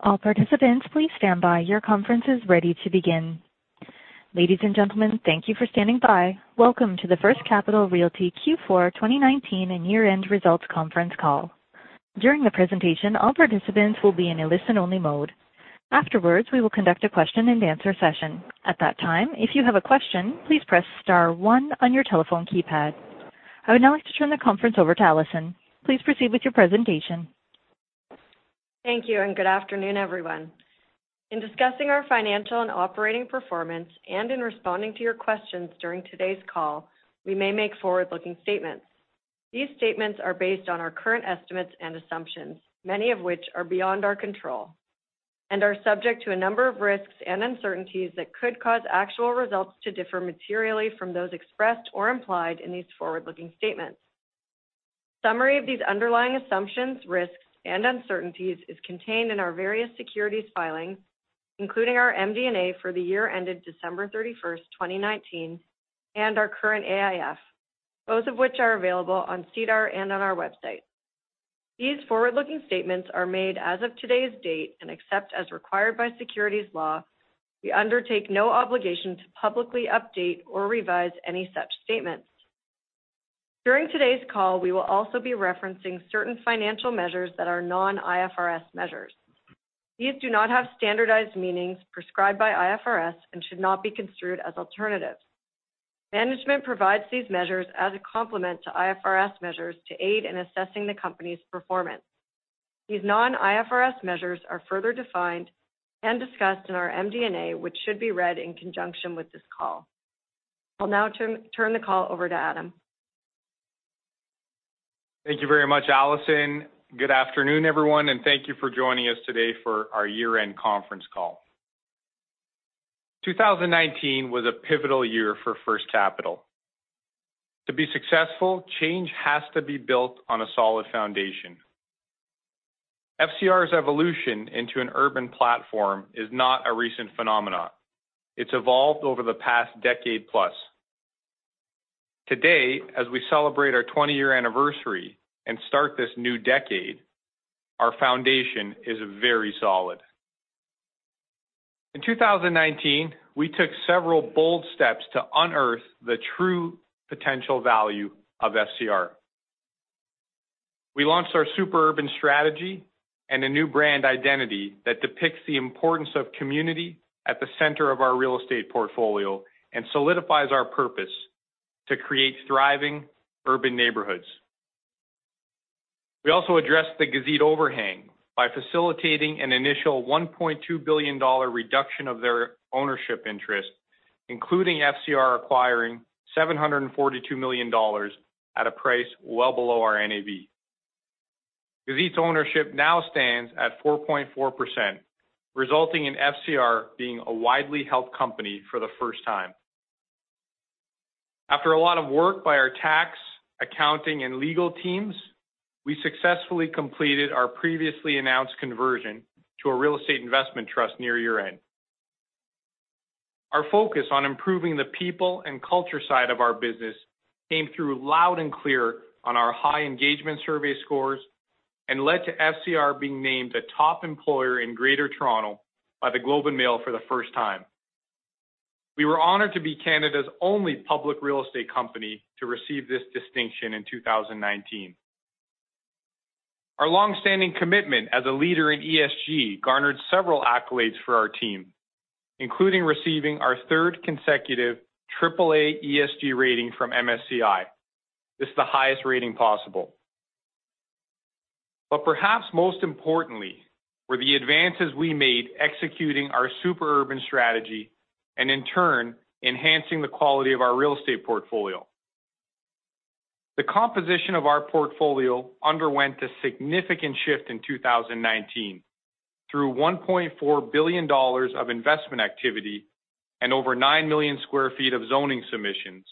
All participants, please stand by. Your conference is ready to begin. Ladies and gentlemen, thank you for standing by. Welcome to the First Capital Real Estate Investment Trust Q4 2019 and year-end results conference call. During the presentation, all participants will be in a listen-only mode. Afterwards, we will conduct a question-and-answer session. At that time, if you have a question, please press star one on your telephone keypad. I would now like to turn the conference over to Alison. Please proceed with your presentation. SDFGH/*- Thank you, and good afternoon, everyone. In discussing our financial and operating performance, and in responding to your questions during today's call, we may make forward-looking statements. These statements are based on our current estimates and assumptions, many of which are beyond our control, and are subject to a number of risks and uncertainties that could cause actual results to differ materially from those expressed or implied in these forward-looking statements. Summary of these underlying assumptions, risks, and uncertainties is contained in our various securities filings, including our MD&A for the year ended December 31st, 2019, and our current AIF, both of which are available on SEDAR and on our website. These forward-looking statements are made as of today's date, and except as required by securities law, we undertake no obligation to publicly update or revise any such statements. During today's call, we will also be referencing certain financial measures that are non-IFRS measures. These do not have standardized meanings prescribed by IFRS and should not be construed as alternatives. Management provides these measures as a complement to IFRS measures to aid in assessing the company's performance. These non-IFRS measures are further defined and discussed in our MD&A, which should be read in conjunction with this call. I'll now turn the call over to Adam. Thank you very much, Alison. Good afternoon, everyone, and thank you for joining us today for our year-end conference call. 2019 was a pivotal year for First Capital. To be successful, change has to be built on a solid foundation. FCR's evolution into an urban platform is not a recent phenomenon. It's evolved over the past decade-plus. Today, as we celebrate our 20-year anniversary and start this new decade, our foundation is very solid. In 2019, we took several bold steps to unearth the true potential value of FCR. We launched our Super Urban Strategy and a new brand identity that depicts the importance of community at the center of our real estate portfolio and solidifies our purpose to create thriving urban neighborhoods. We also addressed the Gazit overhang by facilitating an initial 1.2 billion dollar reduction of their ownership interest, including FCR acquiring 742 million dollars at a price well below our NAV. Gazit's ownership now stands at 4.4%, resulting in FCR being a widely held company for the first time. After a lot of work by our tax, accounting, and legal teams, we successfully completed our previously announced conversion to a real estate investment trust near year-end. Our focus on improving the people and culture side of our business came through loud and clear on our high engagement survey scores and led to FCR being named the top employer in Greater Toronto by The Globe and Mail for the first time. We were honored to be Canada's only public real estate company to receive this distinction in 2019. Our longstanding commitment as a leader in ESG garnered several accolades for our team, including receiving our third consecutive AAA ESG rating from MSCI. This is the highest rating possible. Perhaps most importantly were the advances we made executing our super urban strategy and, in turn, enhancing the quality of our real estate portfolio. The composition of our portfolio underwent a significant shift in 2019 through 1.4 billion dollars of investment activity and over 9 million sq ft of zoning submissions,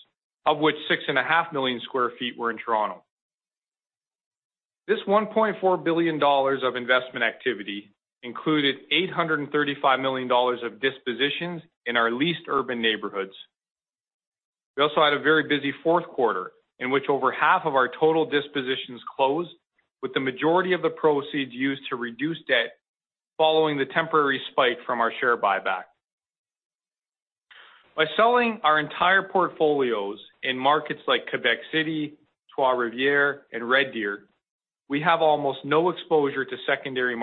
of which 6.5 million sq ft were in Toronto. This 1.4 billion dollars of investment activity included 835 million dollars of dispositions in our leased urban neighborhoods. We also had a very busy fourth quarter in which over half of our total dispositions closed, with the majority of the proceeds used to reduce debt following the temporary spike from our share buyback. By selling our entire portfolios in markets like Quebec City, Trois-Rivières, and Red Deer, we have almost no exposure to secondary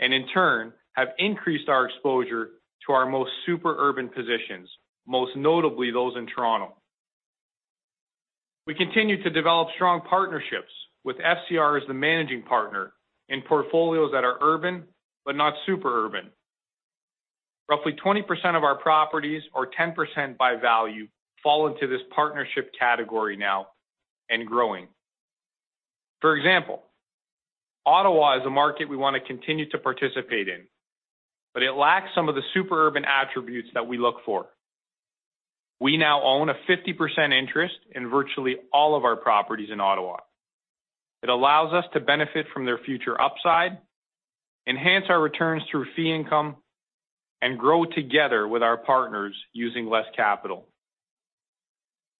markets and, in turn, have increased our exposure to our most super urban positions, most notably those in Toronto. We continue to develop strong partnerships with FCR as the managing partner in portfolios that are urban but not super urban. Roughly 20% of our properties, or 10% by value, fall into this partnership category now, and growing. For example, Ottawa is a market we want to continue to participate in, but it lacks some of the super urban attributes that we look for. We now own a 50% interest in virtually all of our properties in Ottawa. It allows us to benefit from their future upside, enhance our returns through fee income, and grow together with our partners using less capital.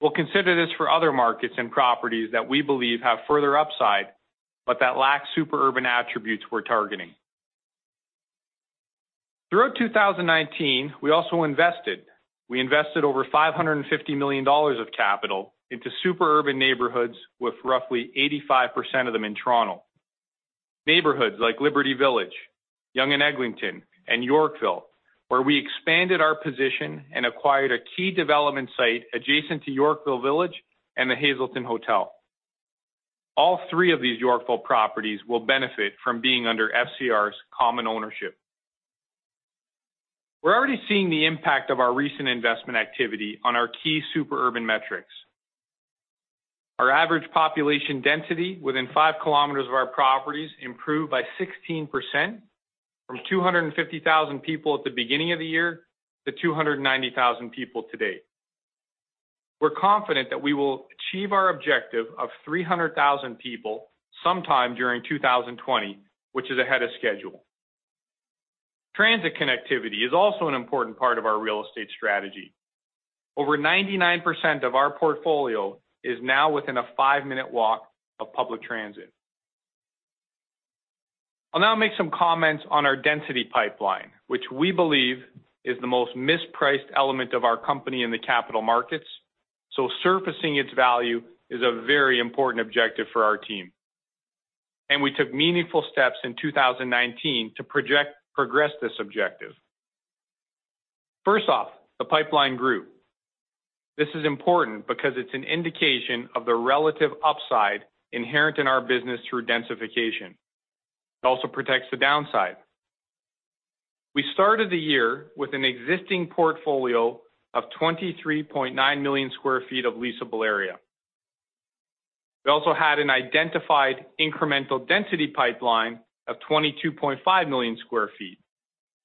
We'll consider this for other markets and properties that we believe have further upside, but that lack super urban attributes we're targeting. Throughout 2019, we also invested over 550 million dollars of capital into super urban neighborhoods with roughly 85% of them in Toronto. Neighborhoods like Liberty Village, Yonge and Eglinton, and Yorkville, where we expanded our position and acquired a key development site adjacent to Yorkville Village and The Hazelton Hotel. All three of these Yorkville properties will benefit from being under FCR's common ownership. We're already seeing the impact of our recent investment activity on our key super urban metrics. Our average population density within 5km of our properties improved by 16%, from 250,000 people at the beginning of the year to 290,000 people to date. We're confident that we will achieve our objective of 300,000 people sometime during 2020, which is ahead of schedule. Transit connectivity is also an important part of our real estate strategy. Over 99% of our portfolio is now within a five-minute walk of public transit. I'll now make some comments on our density pipeline, which we believe is the most mispriced element of our company in the capital markets, so surfacing its value is a very important objective for our team. We took meaningful steps in 2019 to progress this objective. First off, the pipeline grew. This is important because it's an indication of the relative upside inherent in our business through densification. It also protects the downside. We started the year with an existing portfolio of 23.9 million sq ft of leasable area. We also had an identified incremental density pipeline of 22.5 million sq ft,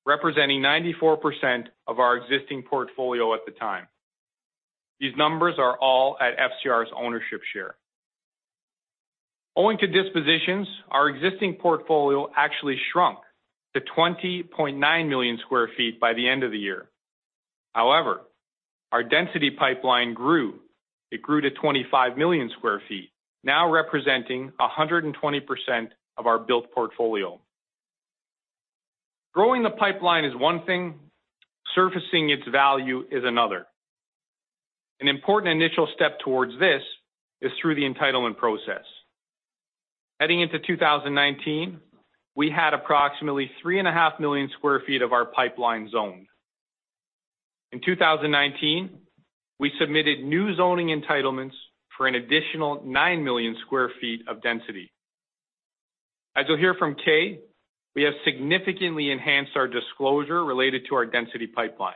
representing 94% of our existing portfolio at the time. These numbers are all at FCR's ownership share. Owing to dispositions, our existing portfolio actually shrunk to 20.9 million sq ft by the end of the year. Our density pipeline grew. It grew to 25 million sq ft, now representing 120% of our built portfolio. Growing the pipeline is one thing. Surfacing its value is another. An important initial step towards this is through the entitlement process. Heading into 2019, we had approximately three and a half million sq ft of our pipeline zoned. In 2019, we submitted new zoning entitlements for an additional 9 million sq ft of density. As you'll hear from Kay, we have significantly enhanced our disclosure related to our density pipeline.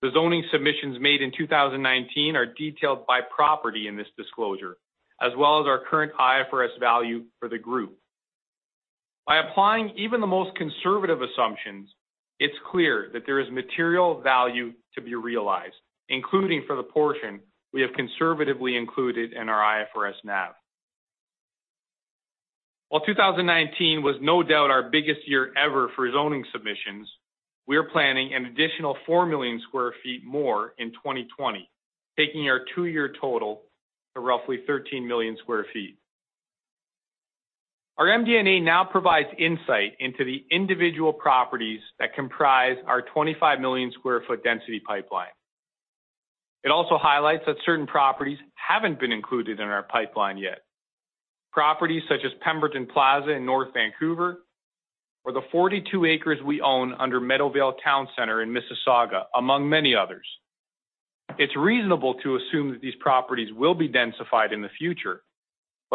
The zoning submissions made in 2019 are detailed by property in this disclosure, as well as our current IFRS value for the group. By applying even the most conservative assumptions, it is clear that there is material value to be realized, including for the portion we have conservatively included in our IFRS NAV. While 2019 was no doubt our biggest year ever for zoning submissions, we are planning an additional four million sq ft more in 2020, taking our two-year total to roughly 13 million sq ft. Our MD&A now provides insight into the individual properties that comprise our 25-million-square-foot density pipeline. It also highlights that certain properties haven't been included in our pipeline yet. Properties such as Pemberton Plaza in North Vancouver, or the 42 acres we own under Meadowvale Town Centre in Mississauga, among many others.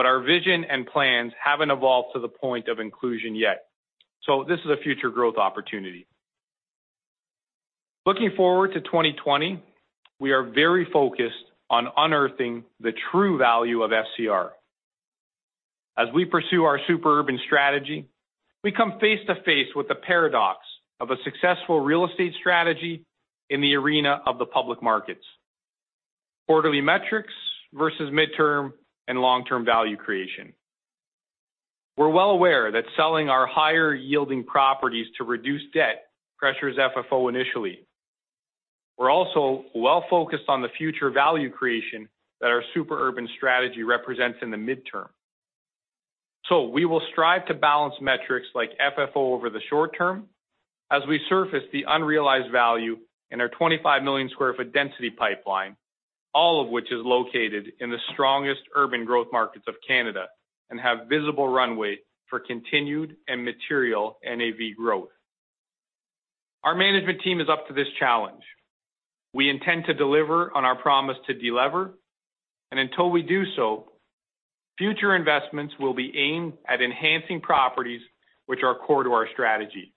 Our vision and plans haven't evolved to the point of inclusion yet. This is a future growth opportunity. Looking forward to 2020, we are very focused on unearthing the true value of FCR. As we pursue our super urban strategy, we come face to face with the paradox of a successful real estate strategy in the arena of the public markets. Quarterly metrics versus midterm and long-term value creation. We're well aware that selling our higher-yielding properties to reduce debt pressures FFO initially. We're also well-focused on the future value creation that our super urban strategy represents in the midterm. We will strive to balance metrics like FFO over the short term as we surface the unrealized value in our 25 million square foot density pipeline, all of which is located in the strongest urban growth markets of Canada and have visible runway for continued and material NAV growth. Our management team is up to this challenge. We intend to deliver on our promise to delever, and until we do so, future investments will be aimed at enhancing properties which are core to our strategy.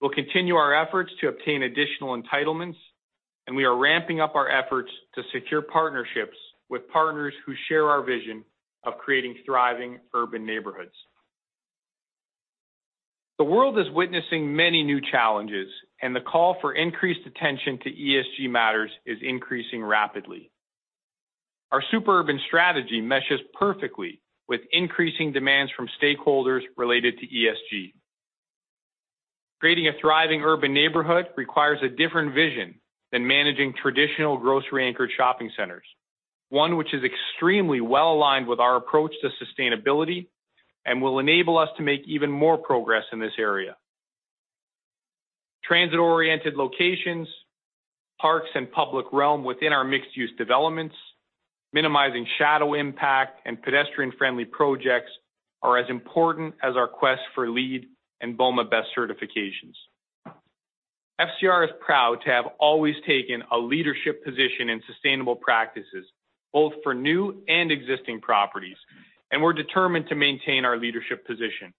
We'll continue our efforts to obtain additional entitlements, and we are ramping up our efforts to secure partnerships with partners who share our vision of creating thriving urban neighborhoods. The world is witnessing many new challenges, and the call for increased attention to ESG matters is increasing rapidly. Our super urban strategy meshes perfectly with increasing demands from stakeholders related to ESG. Creating a thriving urban neighborhood requires a different vision than managing traditional grocery-anchored shopping centers. One which is extremely well-aligned with our approach to sustainability and will enable us to make even more progress in this area. Transit-oriented locations, parks, and public realm within our mixed-use developments, minimizing shadow impact, and pedestrian-friendly projects are as important as our quest for LEED and BOMA BEST certifications. FCR is proud to have always taken a leadership position in sustainable practices, both for new and existing properties, and we're determined to maintain our leadership position.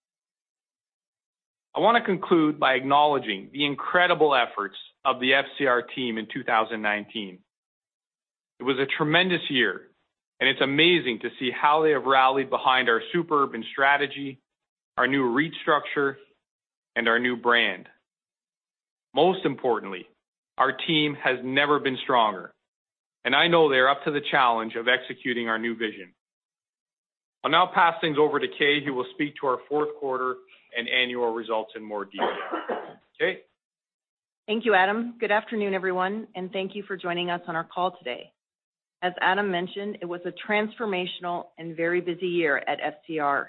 I want to conclude by acknowledging the incredible efforts of the FCR team in 2019. It was a tremendous year, and it's amazing to see how they have rallied behind our super urban strategy, our new REIT structure, and our new brand. Most importantly, our team has never been stronger, and I know they're up to the challenge of executing our new vision. I'll now pass things over to Kay, who will speak to our fourth quarter and annual results in more detail. Kay? Thank you, Adam. Good afternoon, everyone. Thank you for joining us on our call today. As Adam mentioned, it was a transformational and very busy year at FCR.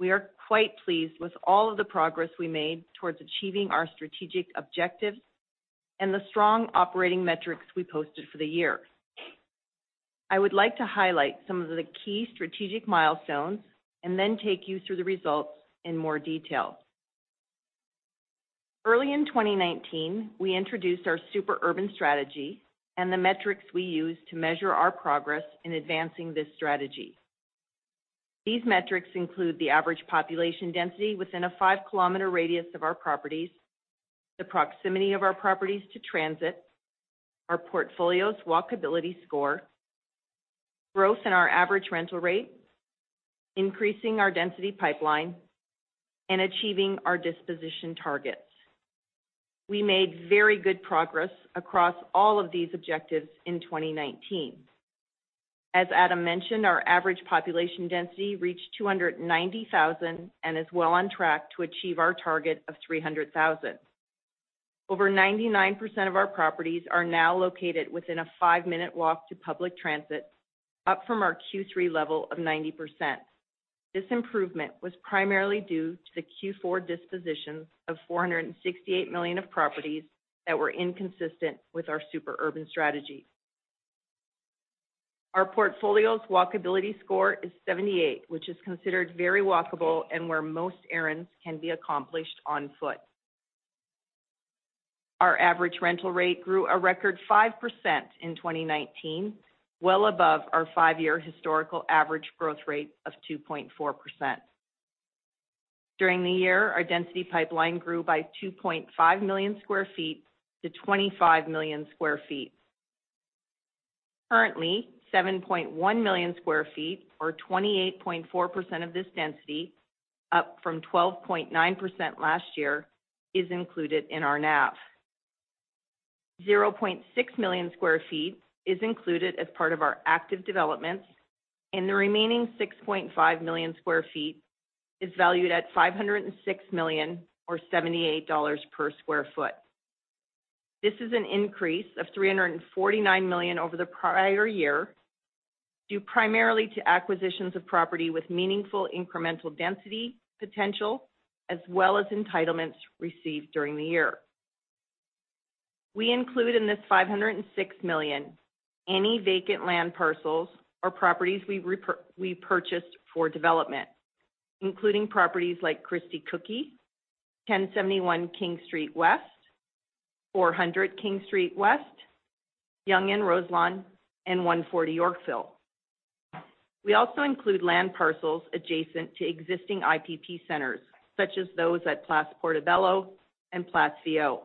We are quite pleased with all of the progress we made towards achieving our strategic objectives and the strong operating metrics we posted for the year. I would like to highlight some of the key strategic milestones and then take you through the results in more detail. Early in 2019, we introduced our super urban strategy and the metrics we use to measure our progress in advancing this strategy. These metrics include the average population density within a 5km radius of our properties, the proximity of our properties to transit, our portfolio's walkability score, growth in our average rental rate, increasing our density pipeline, and achieving our disposition targets. We made very good progress across all of these objectives in 2019. As Adam mentioned, our average population density reached 290,000 and is well on track to achieve our target of 300,000. Over 99% of our properties are now located within a five-minute walk to public transit, up from our Q3 level of 90%. This improvement was primarily due to the Q4 dispositions of 468 million of properties that were inconsistent with our super urban strategy. Our portfolio's walkability score is 78, which is considered very walkable and where most errands can be accomplished on foot. Our average rental rate grew a record 5% in 2019, well above our five-year historical average growth rate of 2.4%. During the year, our density pipeline grew by 2.5 million sq ft to 25 million sq ft. Currently, 7.1 million sq ft or 28.4% of this density, up from 12.9% last year, is included in our NAV. 0.6 million sq ft is included as part of our active developments, and the remaining 6.5 million sq ft is valued at 506 million or 78 dollars per sq ft. This is an increase of 349 million over the prior year, due primarily to acquisitions of property with meaningful incremental density potential, as well as entitlements received during the year. We include in this 506 million any vacant land parcels or properties we purchased for development, including properties like Christie Cookie, 1071 King Street West, 400 King Street West, Yonge and Roselawn, and 140 Yorkville. We also include land parcels adjacent to existing IPP centers, such as those at Place Portobello and Place Viau.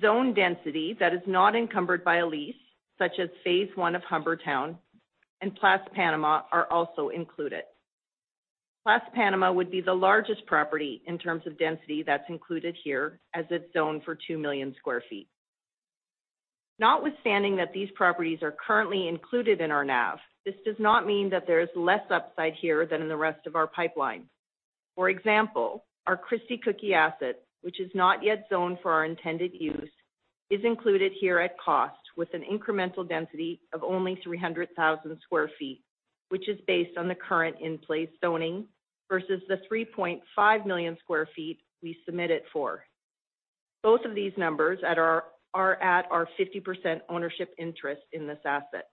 Zoned density that is not encumbered by a lease, such as phase I of Humbertown and Place Panama, are also included. Place Panama would be the largest property in terms of density that is included here, as it is zoned for 2 million sq ft. Notwithstanding that these properties are currently included in our NAV, this does not mean that there is less upside here than in the rest of our pipeline. For example, our Christie Cookie asset, which is not yet zoned for our intended use, is included here at cost with an incremental density of only 300,000 sq ft, which is based on the current in-place zoning versus the 3.5 million sq ft we submitted for. Both of these numbers are at our 50% ownership interest in this asset.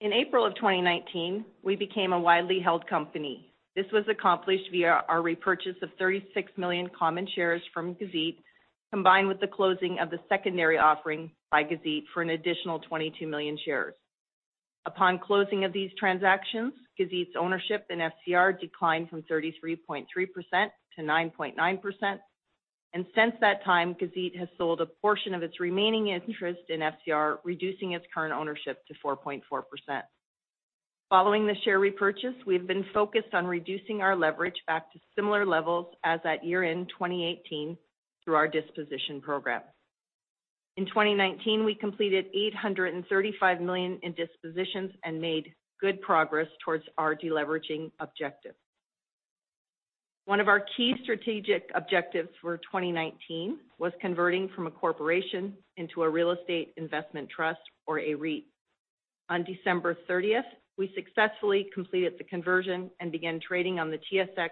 In April of 2019, we became a widely held company. This was accomplished via our repurchase of 36 million common shares from Gazit, combined with the closing of the secondary offering by Gazit for an additional 22 million shares. Upon closing of these transactions, Gazit's ownership in FCR declined from 33.3% to 9.9%, and since that time, Gazit has sold a portion of its remaining interest in FCR, reducing its current ownership to 4.4%. Following the share repurchase, we've been focused on reducing our leverage back to similar levels as at year-end 2018 through our disposition program. In 2019, we completed 835 million in dispositions and made good progress towards our de-leveraging objective. One of our key strategic objectives for 2019 was converting from a corporation into a real estate investment trust, or a REIT. On December 30th, we successfully completed the conversion and began trading on the TSX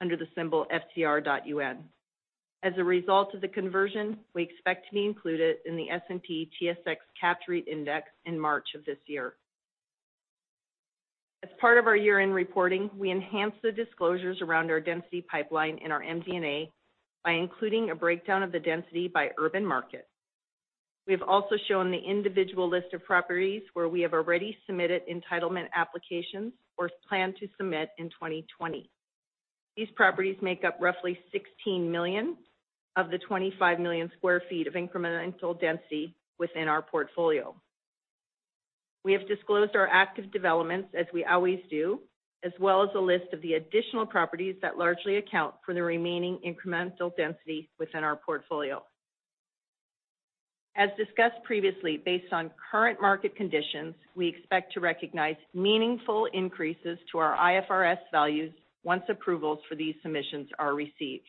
under the symbol FCR.UN. As a result of the conversion, we expect to be included in the S&P/TSX Capped REIT Index in March of this year. As part of our year-end reporting, we enhanced the disclosures around our density pipeline in our MD&A by including a breakdown of the density by urban market. We have also shown the individual list of properties where we have already submitted entitlement applications or plan to submit in 2020. These properties make up roughly 16 million of the 25 million sq ft of incremental density within our portfolio. We have disclosed our active developments as we always do, as well as a list of the additional properties that largely account for the remaining incremental density within our portfolio. As discussed previously, based on current market conditions, we expect to recognize meaningful increases to our IFRS values once approvals for these submissions are received.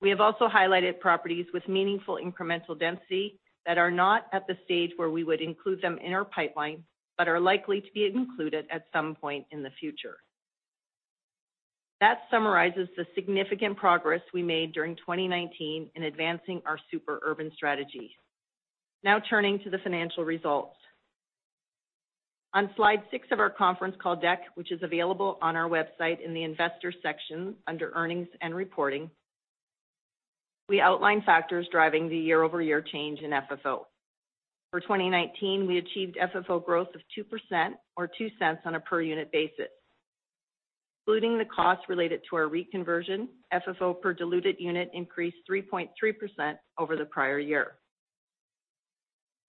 We have also highlighted properties with meaningful incremental density that are not at the stage where we would include them in our pipeline, but are likely to be included at some point in the future. That summarizes the significant progress we made during 2019 in advancing our super urban strategy. Turning to the financial results. On slide six of our conference call deck, which is available on our website in the Investors section under Earnings and Reporting, we outline factors driving the year-over-year change in FFO. For 2019, we achieved FFO growth of 2% or 0.02 on a per unit basis. Excluding the costs related to our REIT conversion, FFO per diluted unit increased 3.3% over the prior year.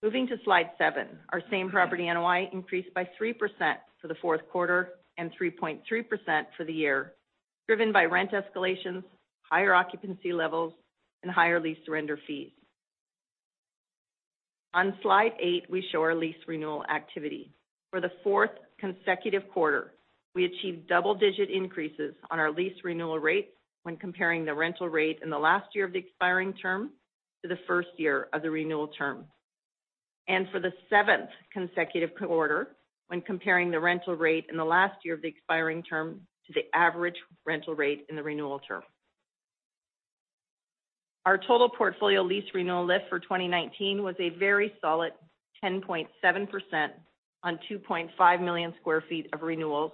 Moving to slide seven, our same property NOI increased by 3% for the fourth quarter and 3.3% for the year, driven by rent escalations, higher occupancy levels, and higher lease surrender fees. On slide eight, we show our lease renewal activity. For the fourth consecutive quarter, we achieved double-digit increases on our lease renewal rates when comparing the rental rate in the last year of the expiring term to the first year of the renewal term. For the seventh consecutive quarter, when comparing the rental rate in the last year of the expiring term to the average rental rate in the renewal term. Our total portfolio lease renewal lift for 2019 was a very solid 10.7% on 2.5 million sq ft of renewals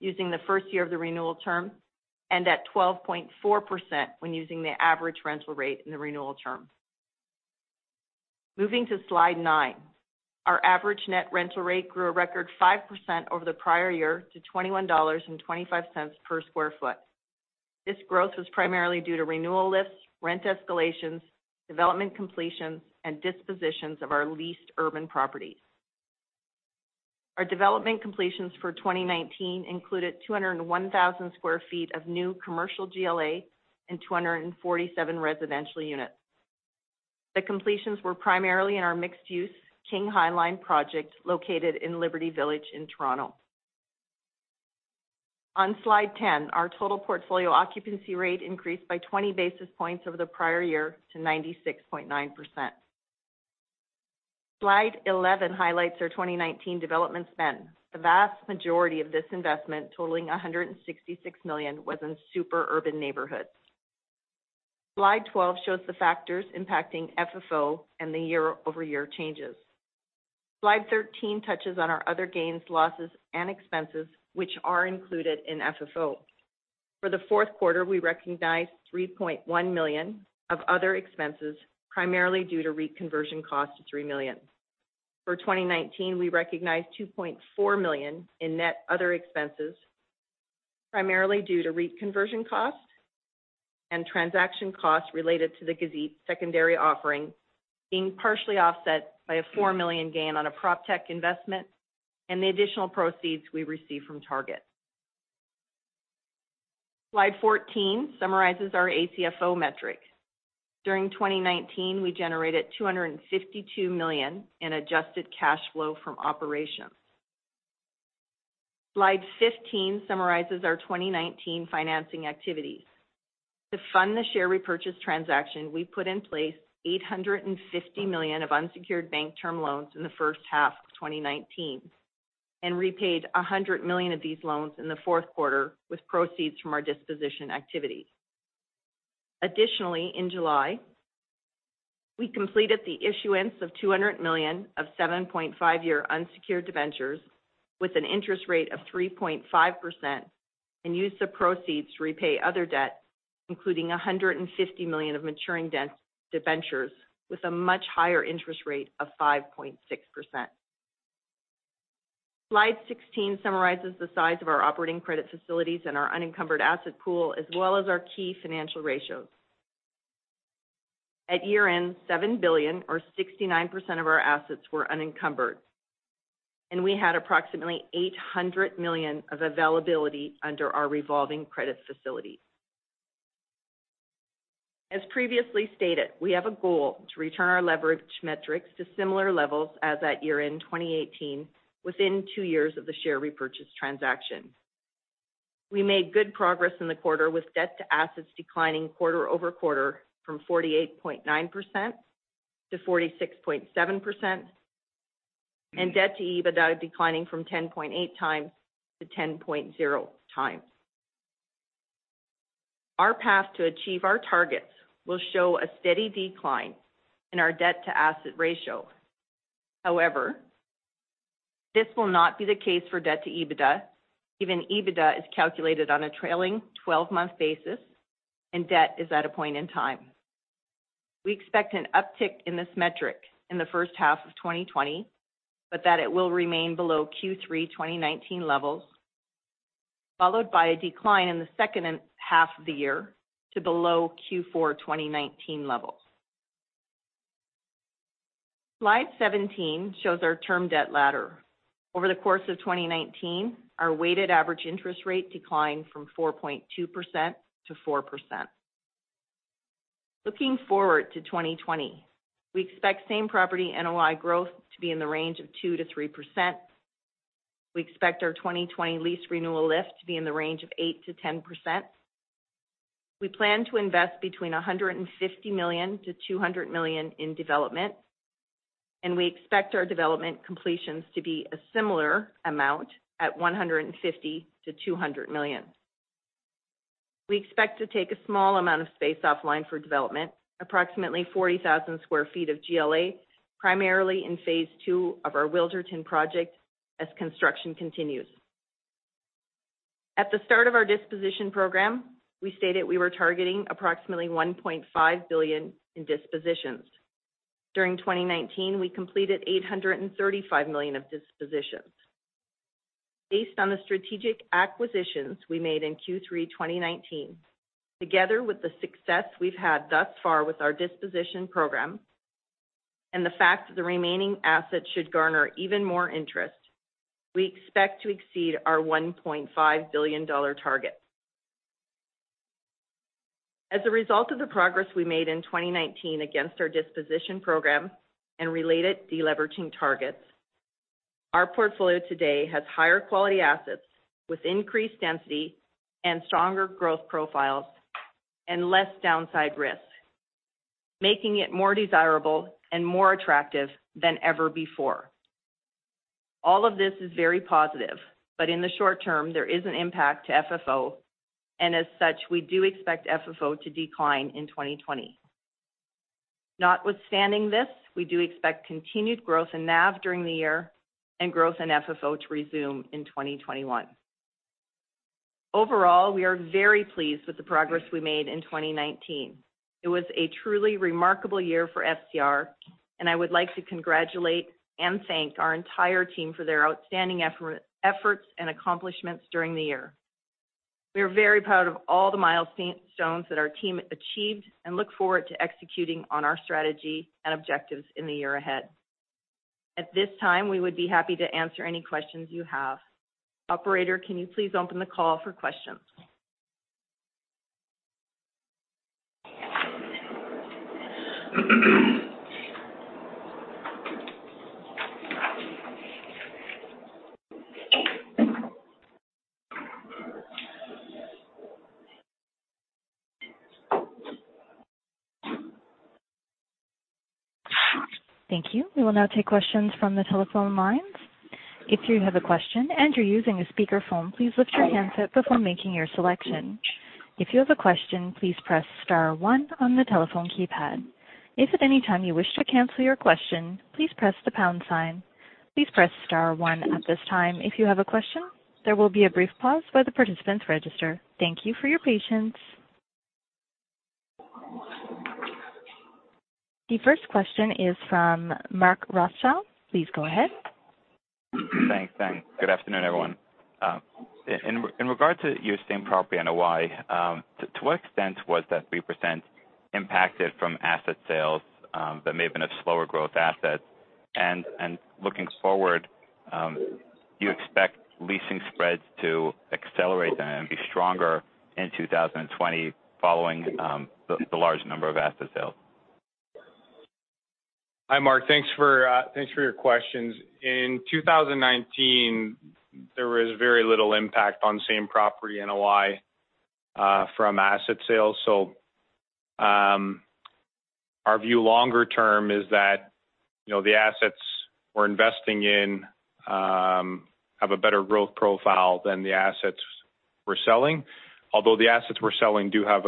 using the first year of the renewal term, and at 12.4% when using the average rental rate in the renewal term. Moving to slide nine. Our average net rental rate grew a record 5% over the prior year to 21.25 dollars per square foot. This growth was primarily due to renewal lifts, rent escalations, development completions, and dispositions of our leased urban properties. Our development completions for 2019 included 201,000 sq ft of new commercial GLA and 247 residential units. The completions were primarily in our mixed-use King High Line project, located in Liberty Village in Toronto. On slide 10, our total portfolio occupancy rate increased by 20 basis points over the prior year to 96.9%. Slide 11 highlights our 2019 development spend. The vast majority of this investment, totaling 166 million, was in super urban neighborhoods. Slide 12 shows the factors impacting FFO and the year-over-year changes. Slide 13 touches on our other gains, losses, and expenses, which are included in FFO. For the fourth quarter, we recognized 3.1 million of other expenses, primarily due to REIT conversion costs of 3 million. For 2019, we recognized 2.4 million in net other expenses, primarily due to REIT conversion costs and transaction costs related to the Gazit secondary offering, being partially offset by a 4 million gain on a PropTech investment and the additional proceeds we received from Target. Slide 14 summarizes our ACFO metric. During 2019, we generated 252 million in adjusted cash flow from operations. Slide 15 summarizes our 2019 financing activities. To fund the share repurchase transaction, we put in place 850 million of unsecured bank term loans in the first half of 2019 and repaid 100 million of these loans in the fourth quarter with proceeds from our disposition activities. Additionally, in July, we completed the issuance of 200 million of 7.5-year unsecured debentures with an interest rate of 3.5% and used the proceeds to repay other debt, including 150 million of maturing debentures with a much higher interest rate of 5.6%. Slide 16 summarizes the size of our operating credit facilities and our unencumbered asset pool, as well as our key financial ratios. At year-end, 7 billion or 69% of our assets were unencumbered. We had approximately 800 million of availability under our revolving credit facility. As previously stated, we have a goal to return our leverage metrics to similar levels as at year-end 2018, within two years of the share repurchase transaction. We made good progress in the quarter with debt to assets declining quarter-over-quarter from 48.9% to 46.7%, and debt to EBITDA declining from 10.8 times to 10.0 times. Our path to achieve our targets will show a steady decline in our debt to asset ratio. This will not be the case for debt to EBITDA, given EBITDA is calculated on a trailing 12-month basis and debt is at a point in time. We expect an uptick in this metric in the first half of 2020, but that it will remain below Q3 2019 levels, followed by a decline in the second half of the year to below Q4 2019 levels. Slide 17 shows our term debt ladder. Over the course of 2019, our weighted average interest rate declined from 4.2% to 4%. Looking forward to 2020, we expect same-property NOI growth to be in the range of 2% to 3%. We expect our 2020 lease renewal lift to be in the range of 8%-10%. We plan to invest between 150 million-200 million in development, we expect our development completions to be a similar amount at 150 million-200 million. We expect to take a small amount of space offline for development, approximately 40,000 sq ft of GLA, primarily in phase II of our Wilderton project, as construction continues. At the start of our disposition program, we stated we were targeting approximately 1.5 billion in dispositions. During 2019, we completed 835 million of dispositions. Based on the strategic acquisitions we made in Q3 2019, together with the success we've had thus far with our disposition program, the fact that the remaining assets should garner even more interest, we expect to exceed our 1.5 billion dollar target. As a result of the progress we made in 2019 against our disposition program and related deleveraging targets, our portfolio today has higher quality assets with increased density and stronger growth profiles and less downside risk, making it more desirable and more attractive than ever before. All of this is very positive, but in the short term, there is an impact to FFO, and as such, we do expect FFO to decline in 2020. Notwithstanding this, we do expect continued growth in NAV during the year and growth in FFO to resume in 2021. Overall, we are very pleased with the progress we made in 2019. It was a truly remarkable year for FCR, and I would like to congratulate and thank our entire team for their outstanding efforts and accomplishments during the year. We are very proud of all the milestones that our team achieved and look forward to executing on our strategy and objectives in the year ahead. At this time, we would be happy to answer any questions you have. Operator, can you please open the call for questions? Thank you. We will now take questions from the telephone lines. If you have a question and you're using a speakerphone, please lift your handset before making your selection. If you have a question, please press star one on the telephone keypad. If at any time you wish to cancel your question, please press the pound sign. Please press star one at this time if you have a question. There will be a brief pause while the participants register. Thank you for your patience. The first question is from Mark Rothschild. Please go ahead. Thanks. Good afternoon, everyone. In regard to your same property NOI, to what extent was that 3% impacted from asset sales that may have been a slower growth asset? Looking forward, do you expect leasing spreads to accelerate and be stronger in 2020 following the large number of asset sales? Hi, Mark. Thanks for your questions. In 2019, there was very little impact on same-property NOI from asset sales. Our view longer term is that the assets we're investing in have a better growth profile than the assets we're selling, although the assets we're selling do have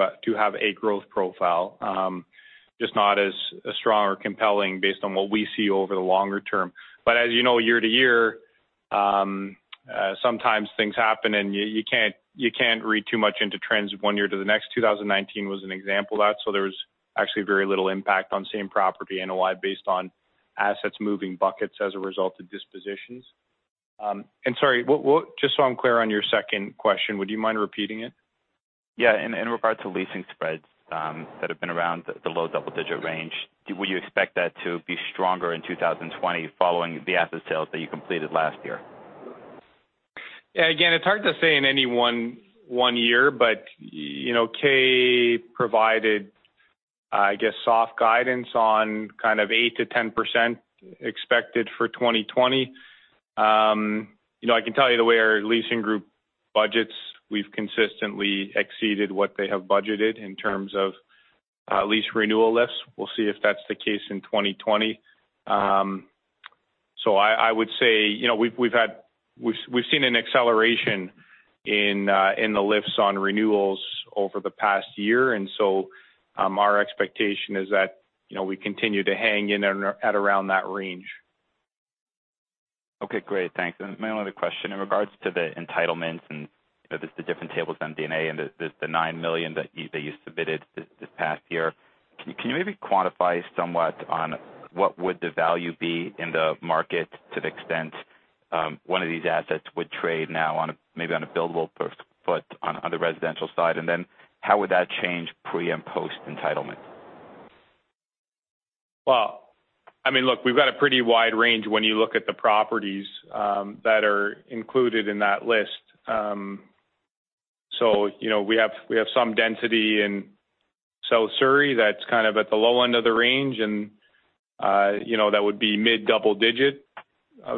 a growth profile, just not as strong or compelling based on what we see over the longer term. As you know, year to year, sometimes things happen, and you can't read too much into trends one year to the next. 2019 was an example of that. There was actually very little impact on same-property NOI based on assets moving buckets as a result of dispositions. Sorry, just so I'm clear on your second question, would you mind repeating it? Yeah. In regards to leasing spreads that have been around the low double-digit range, would you expect that to be stronger in 2020 following the asset sales that you completed last year? Again, it's hard to say in any one year, Kay provided, I guess, soft guidance on kind of 8%-10% expected for 2020. I can tell you the way our leasing group budgets, we've consistently exceeded what they have budgeted in terms of lease renewal lifts. We'll see if that's the case in 2020. I would say, we've seen an acceleration in the lifts on renewals over the past year, our expectation is that we continue to hang in at around that range. Okay, great. Thanks. My only other question, in regards to the entitlements and the different tables on MD&A and the 9 million that you submitted this past year, can you maybe quantify somewhat on what would the value be in the market to the extent one of these assets would trade now maybe on a billable per foot on the residential side? How would that change pre- and post-entitlement? Look, we've got a pretty wide range when you look at the properties that are included in that list. We have some density in South Surrey that's kind of at the low end of the range, and that would be mid double-digit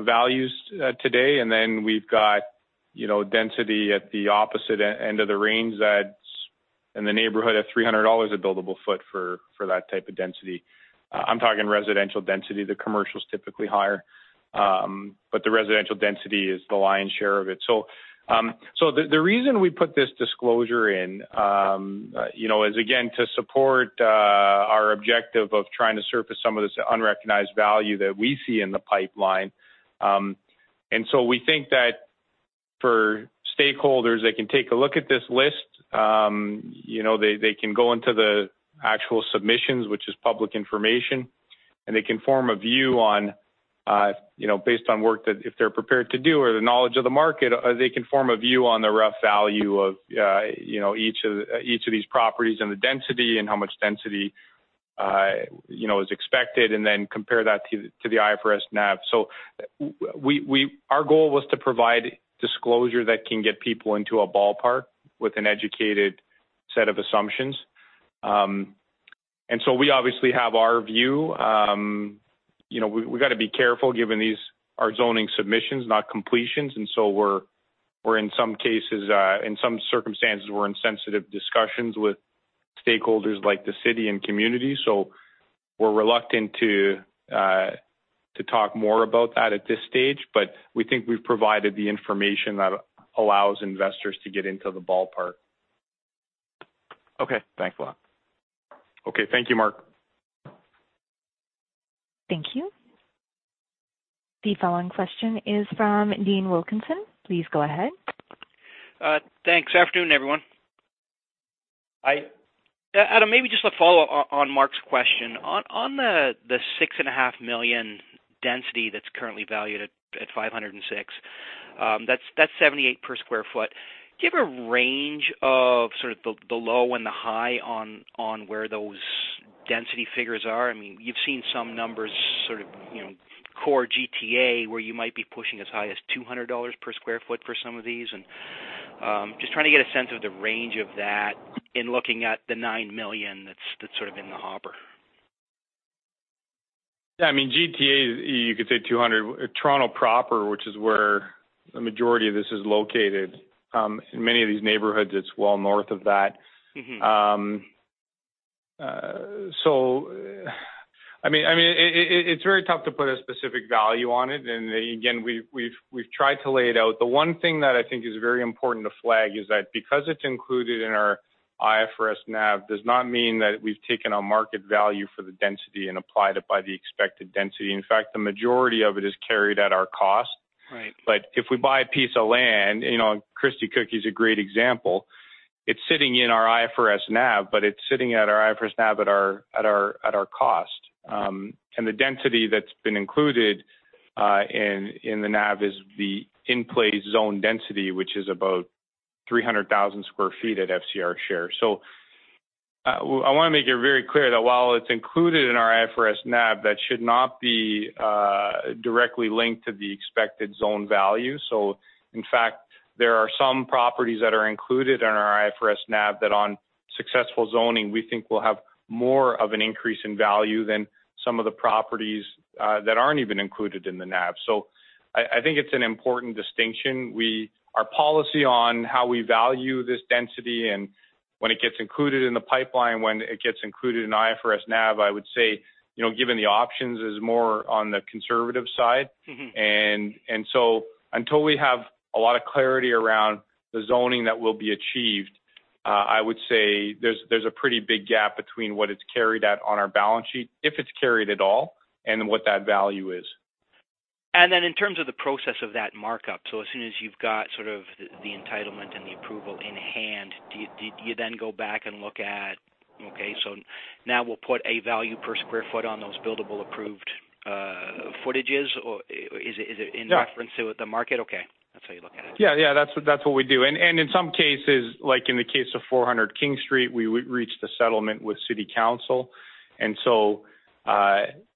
values today. We've got density at the opposite end of the range that's in the neighborhood of 300 dollars a billable foot for that type of density. I'm talking residential density. The commercial's typically higher. The residential density is the lion's share of it. The reason we put this disclosure in, is again, to support our objective of trying to surface some of this unrecognized value that we see in the pipeline. We think that for stakeholders, they can take a look at this list. They can go into the actual submissions, which is public information. They can form a view based on work that if they're prepared to do or the knowledge of the market, they can form a view on the rough value of each of these properties and the density and how much density is expected and then compare that to the IFRS NAV. Our goal was to provide disclosure that can get people into a ballpark with an educated set of assumptions. We obviously have our view. We've got to be careful given these are zoning submissions, not completions. In some circumstances, we're in sensitive discussions with stakeholders like the city and community. We're reluctant to talk more about that at this stage, but we think we've provided the information that allows investors to get into the ballpark. Okay. Thanks a lot. Okay. Thank you, Mark. Thank you. The following question is from Dean Wilkinson. Please go ahead. Thanks. Afternoon, everyone. Hi. Adam, maybe just a follow-up on Mark's question. On the 6.5 million density that's currently valued at 506, that's 78 per square foot. Do you have a range of sort of the low and the high on where those density figures are? You've seen some numbers sort of core GTA, where you might be pushing as high as 200 dollars per square foot for some of these, and just trying to get a sense of the range of that in looking at the 9 million that's sort of in the harbor. GTA, you could say 200. Toronto proper, which is where the majority of this is located. In many of these neighborhoods, it's well north of that. It's very tough to put a specific value on it. Again, we've tried to lay it out. The one thing that I think is very important to flag is that because it's included in our IFRS NAV, does not mean that we've taken a market value for the density and applied it by the expected density. In fact, the majority of it is carried at our cost. Right. If we buy a piece of land, Christie Cookie is a great example. It's sitting in our IFRS NAV, but it's sitting at our IFRS NAV at our cost. The density that's been included in the NAV is the in-place zone density, which is about 300,000 sq ft at FCR share. I want to make it very clear that while it's included in our IFRS NAV, that should not be directly linked to the expected zone value. In fact, there are some properties that are included in our IFRS NAV that on successful zoning, we think will have more of an increase in value than some of the properties that aren't even included in the NAV. I think it's an important distinction. Our policy on how we value this density and when it gets included in the pipeline, when it gets included in IFRS NAV, I would say, given the options, is more on the conservative side. Until we have a lot of clarity around the zoning that will be achieved, I would say there's a pretty big gap between what it's carried at on our balance sheet, if it's carried at all, and then what that value is. Then in terms of the process of that markup, as soon as you've got sort of the entitlement and the approval in hand, do you then go back and look at, okay, now we'll put a value per square foot on those buildable approved footages? Yeah In reference to the market? Okay. That's how you look at it. Yeah. That's what we do. In some cases, like in the case of 400 King Street, we reached a settlement with city council, and so,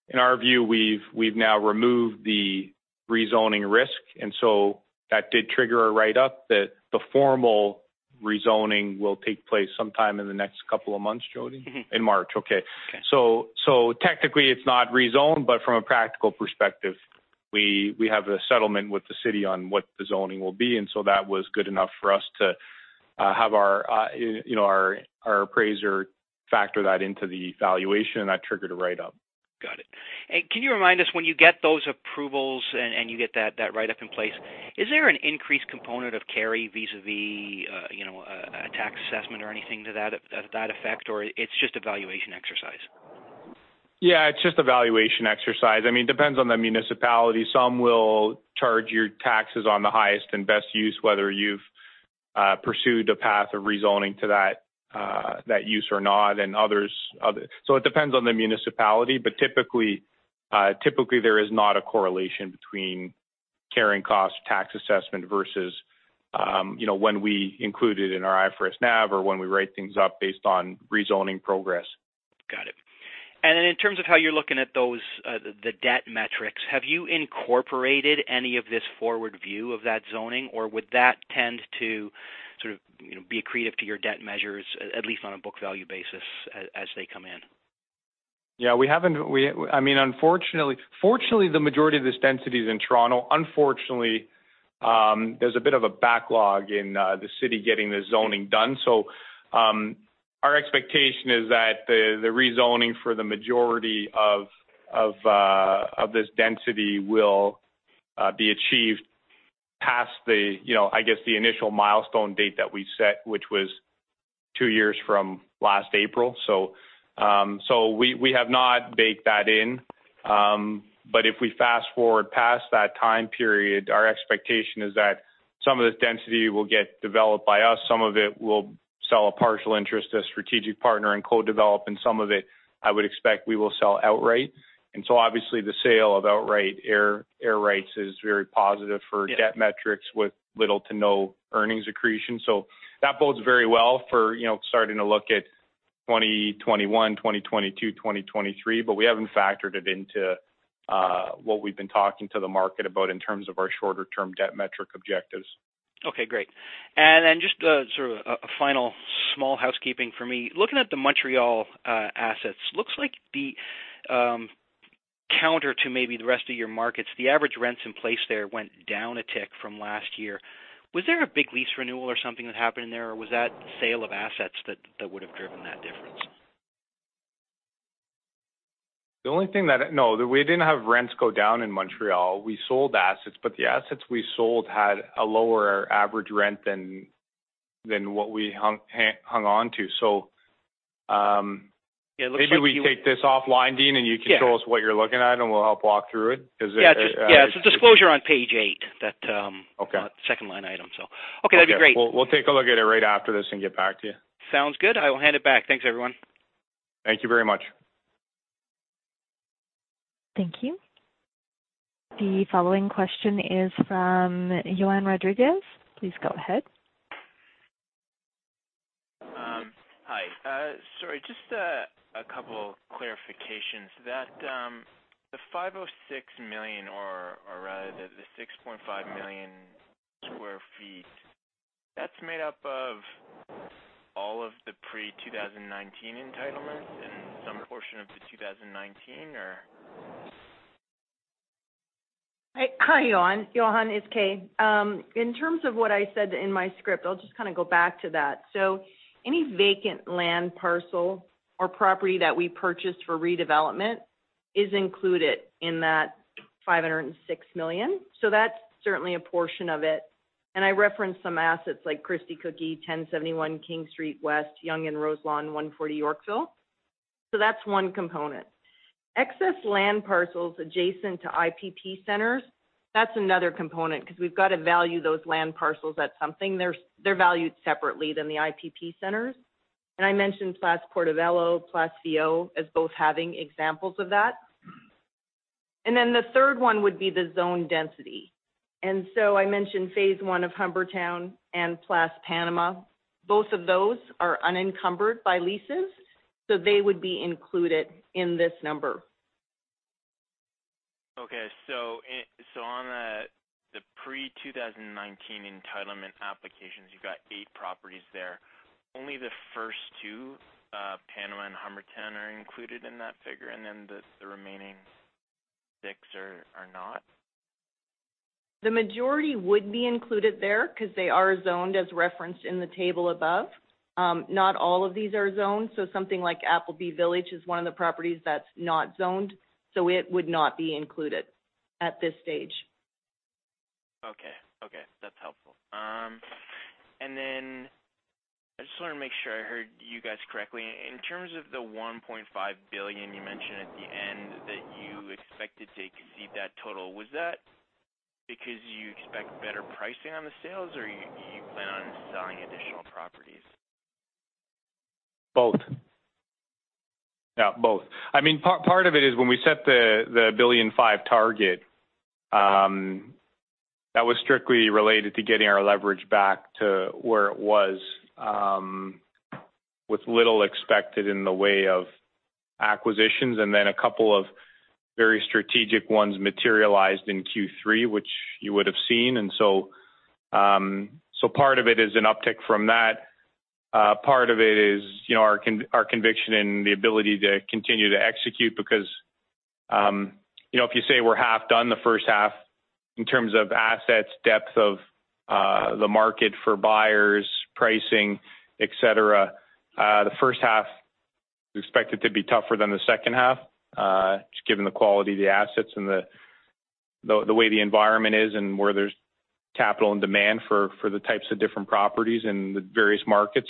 in our view, we've now removed the rezoning risk. That did trigger a write-up that the formal rezoning will take place sometime in the next couple of months, Jodi? In March. Okay. Okay. Technically, it's not rezoned, but from a practical perspective, we have a settlement with the city on what the zoning will be, that was good enough for us to have our appraiser factor that into the valuation, that triggered a write-up. Got it. Can you remind us when you get those approvals and you get that write-up in place, is there an increased component of carry vis-a-vis a tax assessment or anything to that effect, or it's just a valuation exercise? Yeah. It's just a valuation exercise. It depends on the municipality. Some will charge your taxes on the highest and best use, whether you've pursued a path of rezoning to that use or not. It depends on the municipality, but typically, there is not a correlation between carrying cost tax assessment versus when we include it in our IFRS NAV or when we write things up based on rezoning progress. Got it. In terms of how you're looking at the debt metrics, have you incorporated any of this forward view of that zoning, or would that tend to be accretive to your debt measures, at least on a book value basis as they come in? Yeah. Fortunately, the majority of this density is in Toronto. Unfortunately, there's a bit of a backlog in the city getting the zoning done. Our expectation is that the rezoning for the majority of this density will be achieved past the initial milestone date that we set, which was two years from last April. We have not baked that in. If we fast-forward past that time period, our expectation is that some of this density will get developed by us, some of it we'll sell a partial interest to a strategic partner and co-develop, and some of it I would expect we will sell outright. Obviously, the sale of outright air rights is very positive. Yeah debt metrics with little to no earnings accretion. That bodes very well for starting to look at 2021, 2022, 2023, but we haven't factored it into what we've been talking to the market about in terms of our shorter-term debt metric objectives. Okay, great. Just sort of a final small housekeeping for me. Looking at the Montreal assets, looks like the counter to maybe the rest of your markets. The average rents in place there went down a tick from last year. Was there a big lease renewal or something that happened in there, or was that sale of assets that would've driven that difference? No. We didn't have rents go down in Montreal. We sold assets, but the assets we sold had a lower average rent than what we hung on to. It looks like you- Maybe we take this offline, Dean, and you can- Yeah show us what you're looking at, and we'll help walk through it. Yeah. It's a disclosure on page eight. Okay Second line item. Okay. That'd be great. Okay. We'll take a look at it right after this and get back to you. Sounds good. I will hand it back. Thanks, everyone. Thank you very much. Thank you. The following question is from Johann Rodrigues. Please go ahead. Hi. Sorry, just a couple clarifications. The 506 million, or rather, the 6.5 million sq ft, that's made up of all of the pre-2019 entitlements and some portion of the 2019 or? Hi, Johann. It's Kay. In terms of what I said in my script, I'll just kind of go back to that. Any vacant land parcel or property that we purchased for redevelopment is included in that 506 million. That's certainly a portion of it. I referenced some assets like Christie Cookie, 1071 King Street West, Yonge and Roselawn, 140 Yorkville. That's one component. Excess land parcels adjacent to IPP centers, that's another component because we've got to value those land parcels at something. They're valued separately than the IPP centers. I mentioned Place Portobello, Place Viau as both having examples of that. Then the third one would be the zone density. I mentioned phase one of Humbertown and Place Panama. Both of those are unencumbered by leases, so they would be included in this number. Okay. On the pre-2019 entitlement applications, you've got eight properties there. Only the first two, Panama and Humbertown, are included in that figure, and then the remaining six are not? The majority would be included there because they are zoned as referenced in the table above. Not all of these are zoned, something like Appleby Village is one of the properties that's not zoned. It would not be included at this stage. Okay. That's helpful. Then I just wanted to make sure I heard you guys correctly. In terms of the 1.5 billion you mentioned at the end that you expected to exceed that total, was that because you expect better pricing on the sales, or you plan on selling additional properties? Both. Part of it is when we set the 1.5 billion target, that was strictly related to getting our leverage back to where it was with little expected in the way of acquisitions, then a couple of very strategic ones materialized in Q3, which you would've seen. Part of it is an uptick from that. Part of it is our conviction in the ability to continue to execute because, if you say we're half done the first half in terms of assets, depth of the market for buyers, pricing, et cetera. The first half, we expect it to be tougher than the second half, just given the quality of the assets and the way the environment is and where there's capital and demand for the types of different properties in the various markets.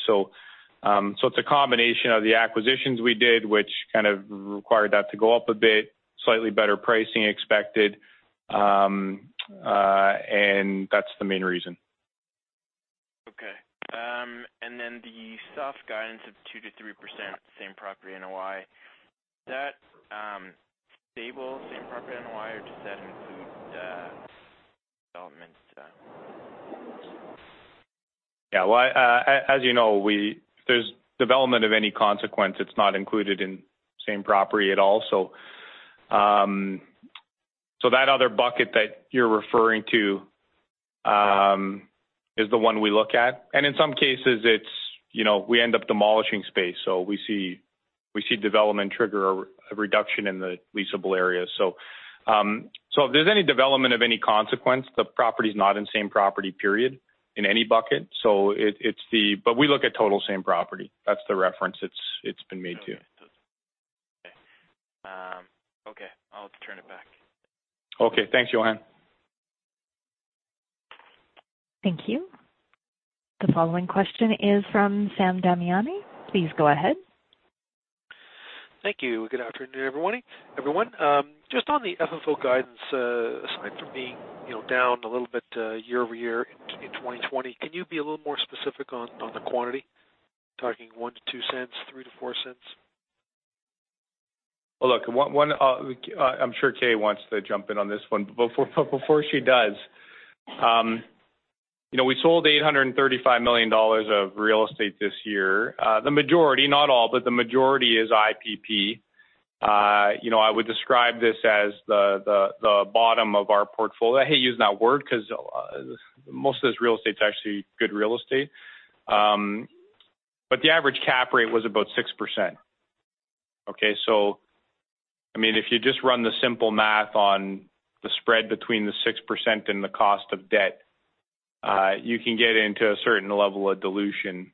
It's a combination of the acquisitions we did, which kind of required that to go up a bit, slightly better pricing expected. That's the main reason. Okay. The soft guidance of 2%-3% same property NOI, is that stable same property NOI or does that include developments? Yeah. As you know, if there's development of any consequence, it's not included in same property at all. That other bucket that you're referring to is the one we look at. In some cases we end up demolishing space. We see development trigger a reduction in the leasable area. If there's any development of any consequence, the property's not in same property period in any bucket. We look at total same property. That's the reference it's been made to. Okay. I'll turn it back. Okay. Thanks, Johann. Thank you. The following question is from Sam Damiani. Please go ahead. Thank you. Good afternoon, everybody. Everyone. Just on the FFO guidance, aside from being down a little bit year-over-year in 2020, can you be a little more specific on the quantity? Talking 0.01-0.02, 0.03-0.04? Well, look, I'm sure Kay wants to jump in on this one. Before she does, we sold 835 million dollars of real estate this year. The majority, not all, but the majority is IPP. I would describe this as the bottom of our portfolio. I hate using that word because most of this real estate's actually good real estate. The average cap rate was about 6%. Okay. If you just run the simple math on the spread between the 6% and the cost of debt, you can get into a certain level of dilution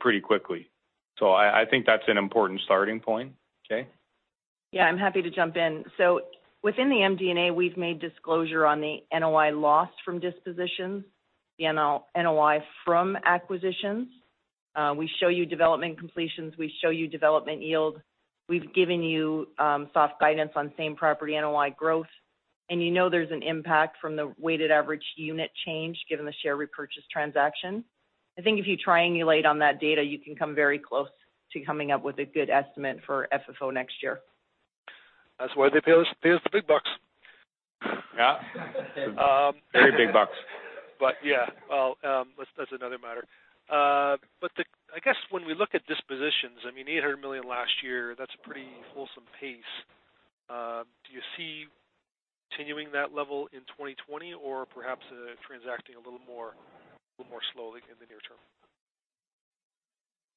pretty quickly. I think that's an important starting point. Kay. Yeah, I'm happy to jump in. Within the MD&A, we've made disclosure on the NOI loss from dispositions and the NOI from acquisitions. We show you development completions. We show you development yield. We've given you soft guidance on same property NOI growth. You know there's an impact from the weighted average unit change given the share repurchase transaction. I think if you triangulate on that data, you can come very close to coming up with a good estimate for FFO next year. That's why they pay us the big bucks. Yeah. Very big bucks. Yeah. Well, that's another matter. I guess when we look at dispositions, 800 million last year, that's a pretty wholesome pace. Do you see continuing that level in 2020 or perhaps transacting a little more slowly in the near term?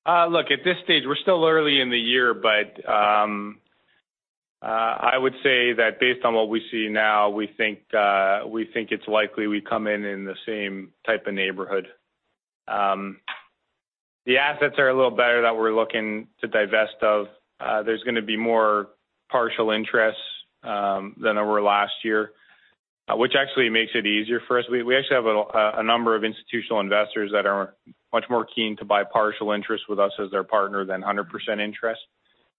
At this stage, we're still early in the year, but I would say that based on what we see now, we think it's likely we come in in the same type of neighborhood. The assets are a little better that we're looking to divest of. There's going to be more partial interests than there were last year, which actually makes it easier for us. We actually have a number of institutional investors that are much more keen to buy partial interests with us as their partner than 100% interest.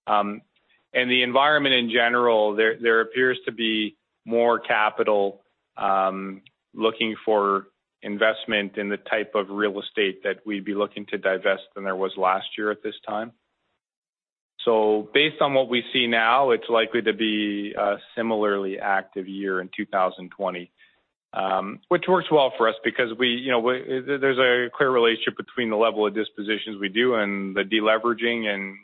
The environment in general, there appears to be more capital looking for investment in the type of real estate that we'd be looking to divest than there was last year at this time. Based on what we see now, it's likely to be a similarly active year in 2020. Which works well for us because there's a clear relationship between the level of dispositions we do and the de-leveraging.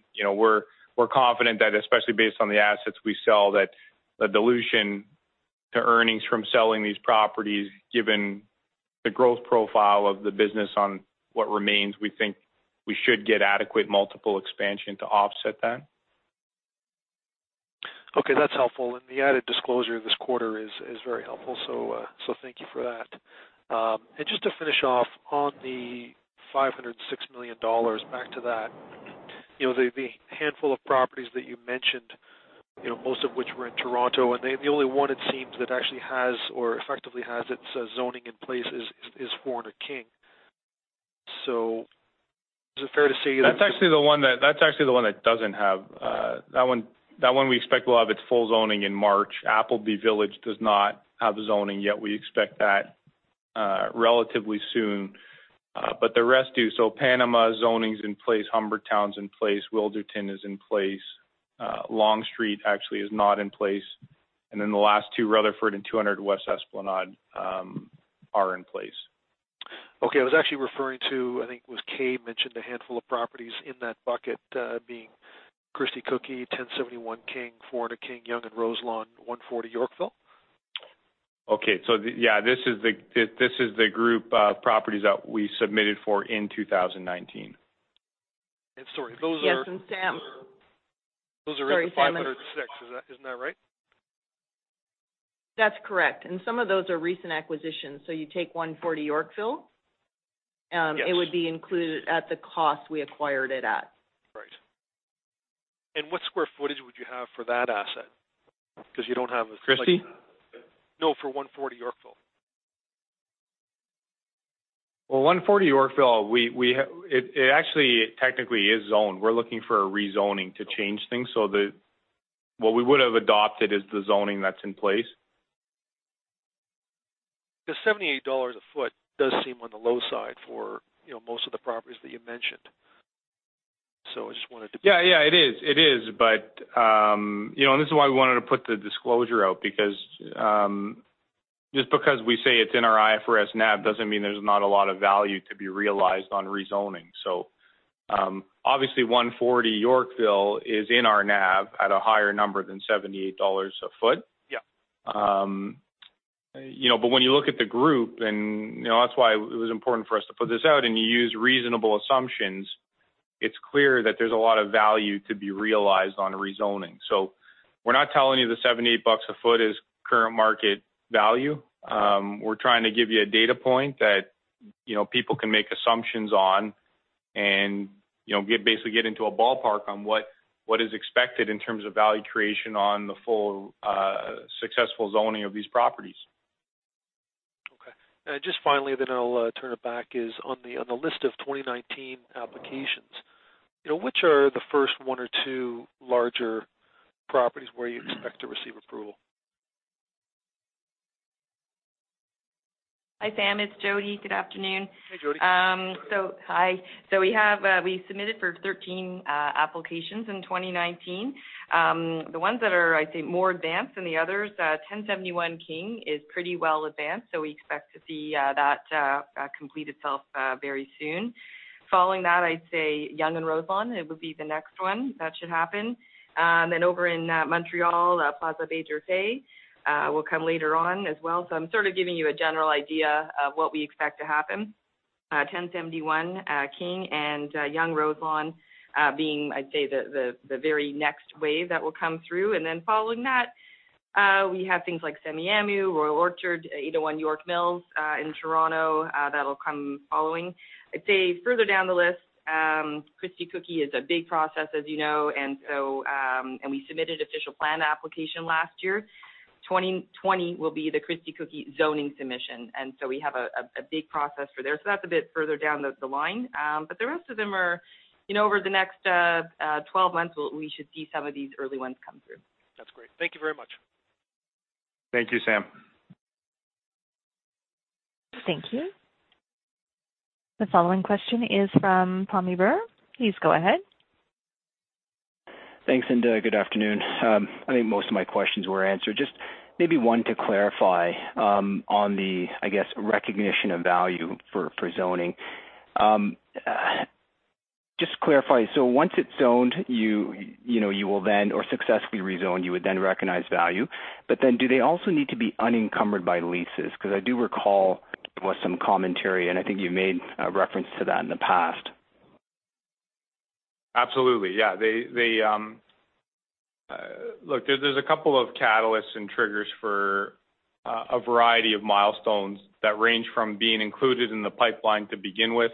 We're confident that, especially based on the assets we sell, the dilution to earnings from selling these properties, given the growth profile of the business on what remains, we think we should get adequate multiple expansion to offset that. Okay. That's helpful. The added disclosure this quarter is very helpful. Thank you for that. Just to finish off on the 506 million dollars, back to that. The handful of properties that you mentioned, most of which were in Toronto, and the only one it seems that actually has or effectively has its zoning in place is 400 King Street West. Is it fair to say that- That one we expect will have its full zoning in March. Appleby Village does not have the zoning yet. We expect that relatively soon. The rest do. Panama zoning is in place, Humbertown's in place, Wilderton is in place. Long Street actually is not in place. The last two, Rutherford and 200 West Esplanade, are in place. Okay, I was actually referring to, I think it was Kay mentioned a handful of properties in that bucket, being Christie Cookie, 1071 King, 400 King, Yonge and Roselawn, 140 Yorkville. Okay. Yeah, this is the group of properties that we submitted for in 2019. Sorry. Yes, Sam. Those are in the 500 section. Isn't that right? That's correct. Some of those are recent acquisitions. You take 140 Yorkville- Yes It would be included at the cost we acquired it at. Right. What square footage would you have for that asset? Christie? No, for 140 Yorkville. Well, 140 Yorkville, it actually technically is zoned. We're looking for a rezoning to change things. What we would've adopted is the zoning that's in place. The 78 dollars a foot does seem on the low side for most of the properties that you mentioned. Yeah, it is. This is why we wanted to put the disclosure out because just because we say it's in our IFRS NAV doesn't mean there's not a lot of value to be realized on rezoning. Obviously, 140 Yorkville is in our NAV at a higher number than CAD 78 a foot. Yeah. When you look at the group, and that's why it was important for us to put this out, and you use reasonable assumptions, it's clear that there's a lot of value to be realized on a rezoning. We're not telling you the 78 bucks a foot is the current market value. We're trying to give you a data point that people can make assumptions on and basically get into a ballpark on what is expected in terms of value creation on the full successful zoning of these properties. Okay. Just finally, then I'll turn it back, is on the list of 2019 applications, which are the first one or two larger properties where you expect to receive approval? Hi, Sam. It's Jodi. Good afternoon. Hey, Jodi. So hi. We submitted for 13 applications in 2019. The ones that are, I'd say, more advanced than the others, 1071 King is pretty well advanced. We expect to see that complete itself very soon. Following that, I'd say Yonge and Roselawn, it would be the next one that should happen. Over in Montreal, Plaza Major Faye will come later on as well. I'm sort of giving you a general idea of what we expect to happen. 1071 King and Yonge and Roselawn being, I'd say, the very next wave that will come through. Following that, we have things like Semiahmoo, Royal Orchard, 801 York Mills in Toronto that'll come following. I'd say further down the list, Christie Cookie is a big process, as you know. We submitted official plan application last year. 2020 will be the Christie Cookie zoning submission. We have a big process for there. That's a bit further down the line. The rest of them are over the next 12 months, we should see some of these early ones come through. That's great. Thank you very much. Thank you, Sam. Thank you. The following question is from Pammi Bir. Please go ahead. Thanks. Good afternoon. I think most of my questions were answered. Just maybe one to clarify on the, I guess, recognition of value for zoning. Just to clarify, once it's zoned or successfully rezoned, you would then recognize value. Do they also need to be unencumbered by leases? Because I do recall there was some commentary, and I think you made a reference to that in the past. Absolutely. There's a couple of catalysts and triggers for a variety of milestones that range from being included in the pipeline to begin with.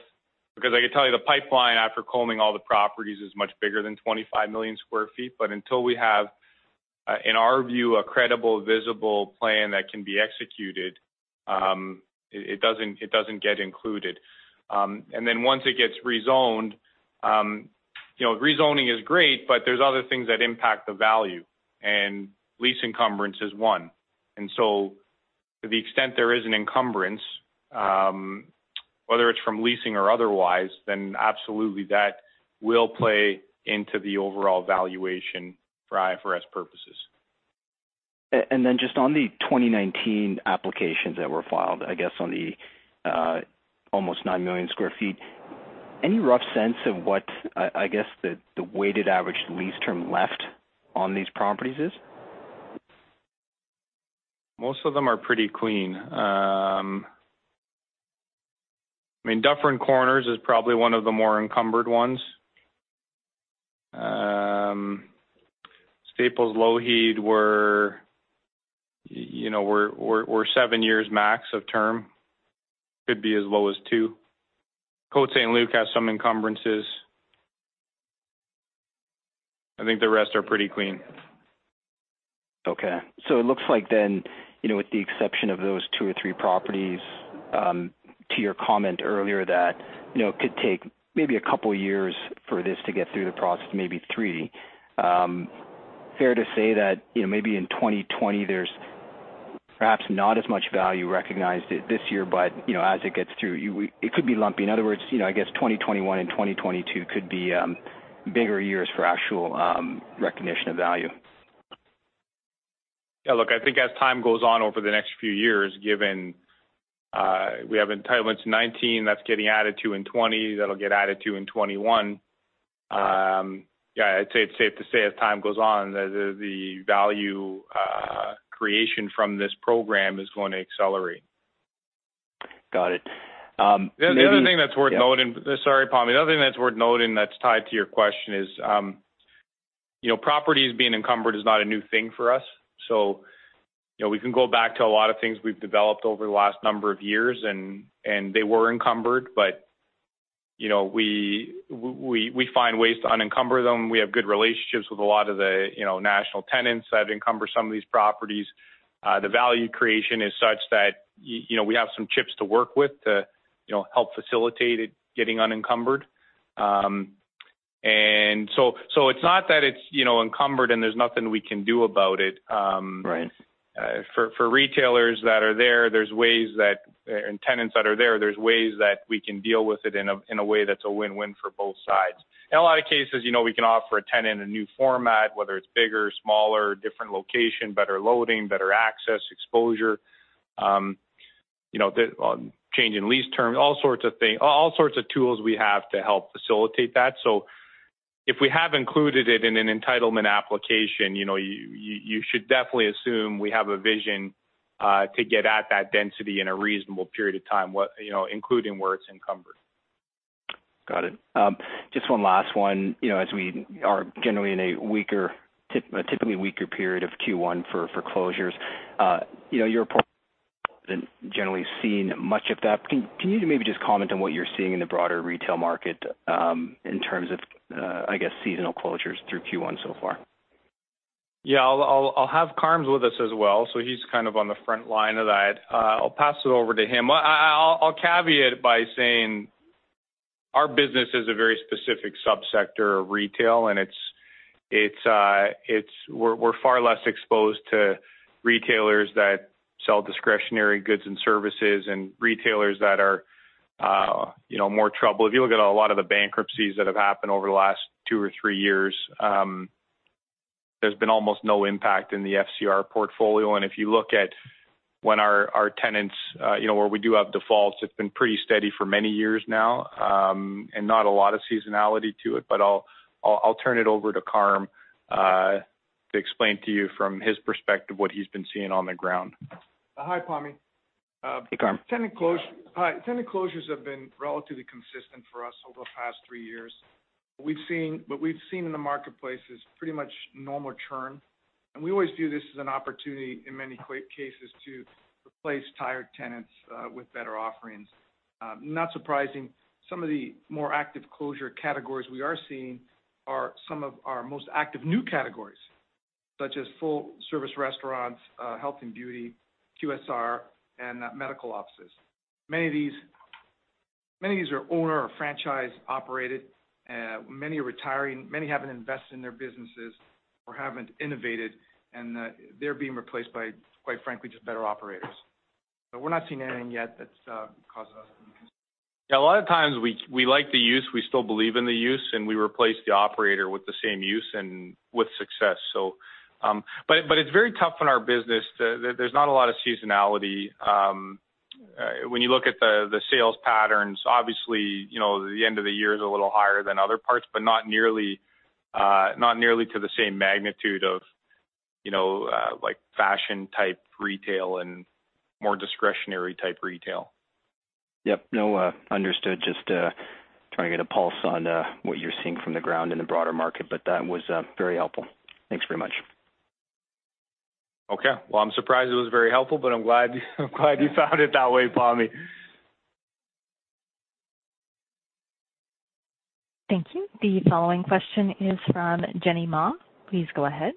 I could tell you, the pipeline after combining all the properties is much bigger than 25 million sq ft. Until we have, in our view, a credible, visible plan that can be executed, it doesn't get included. Once it gets rezoned, rezoning is great; there's other things that impact the value, and lease encumbrance is one. To the extent there is an encumbrance, whether it's from leasing or otherwise, absolutely that will play into the overall valuation for IFRS purposes. Just on the 2019 applications that were filed, I guess on the almost nine million sq ft, any rough sense of what, I guess, the weighted average lease term left on these properties is? Most of them are pretty clean. Dufferin Corners is probably one of the more encumbered ones. Staples, Lougheed were seven years max of term. Could be as low as two. Côte-Saint-Luc has some encumbrances. I think the rest are pretty clean. It looks like then, with the exception of those two or three properties, to your comment earlier, that it could take maybe a couple of years for this to get through the process, maybe three. Fair to say that, maybe in 2020, there's perhaps not as much value recognized this year, but as it gets through, it could be lumpy. In other words, I guess 2021 and 2022 could be bigger years for actual recognition of value. I think as time goes on over the next few years, given we have entitlements in 2019 that's getting added to in 2020, that'll get added to in 2021. I'd say it's safe to say as time goes on, the value creation from this program is going to accelerate. Got it. Sorry, Pammi. The other thing that's worth noting that's tied to your question is, properties being encumbered is not a new thing for us. We can go back to a lot of things we've developed over the last number of years, and they were encumbered, but we find ways to unencumber them. We have good relationships with a lot of the national tenants that encumber some of these properties. The value creation is such that we have some chips to work with to help facilitate it getting unencumbered. It's not that it's encumbered and there's nothing we can do about it. Right. For retailers that are there, and tenants that are there's ways that we can deal with it in a way that's a win-win for both sides. In a lot of cases, we can offer a tenant a new format, whether it's bigger, smaller, different location, better loading, better access, exposure, a change in lease terms, all sorts of things, all sorts of tools we have to help facilitate that. If we have included it in an entitlement application, you should definitely assume we have a vision to get at that density in a reasonable period of time, including where it's encumbered. Got it. Just one last one. As we are generally in a typically weaker period of Q1 for closures, your report hasn't generally seen much of that. Can you maybe just comment on what you're seeing in the broader retail market in terms of, I guess, seasonal closures through Q1 so far? Yeah, I'll have Karm with us as well. He's kind of on the front line of that. I'll pass it over to him. I'll caveat it by saying our business is a very specific sub-sector of retail, and we're far less exposed to retailers that sell discretionary goods and services and retailers that are more trouble. If you look at a lot of the bankruptcies that have happened over the last two or three years, there's been almost no impact in the FCR portfolio. If you look at when our tenants, where we do have defaults, it's been pretty steady for many years now. Not a lot of seasonality to it. I'll turn it over to Carmine to explain to you from his perspective what he's been seeing on the ground. Hi, Pammi. Hey, Carmine. Tenant closures. Yeah. Hi. Tenant closures have been relatively consistent for us over the past three years. What we've seen in the marketplace is pretty much normal churn, and we always view this as an opportunity in many cases to replace tired tenants with better offerings. Not surprising, some of the more active closure categories we are seeing are some of our most active new categories, such as full-service restaurants, health and beauty, QSR, and medical offices. Many of these are owner or franchise operated. Many are retiring. Many haven't invested in their businesses or haven't innovated, and they're being replaced by, quite frankly, just better operators. We're not seeing anything yet that causes us any concern. Yeah, a lot of times we like the use, we still believe in the use, and we replace the operator with the same use and with success. It's very tough on our business. There's not a lot of seasonality. When you look at the sales patterns, obviously, the end of the year is a little higher than other parts, but not nearly to the same magnitude of fashion-type retail and more discretionary-type retail. Yep. No, understood. Just trying to get a pulse on what you're seeing from the ground in the broader market, but that was very helpful. Thanks very much. Okay. Well, I'm surprised it was very helpful, but I'm glad you found it that way, Pammi. Thank you. The following question is from Jenny Ma. Please go ahead.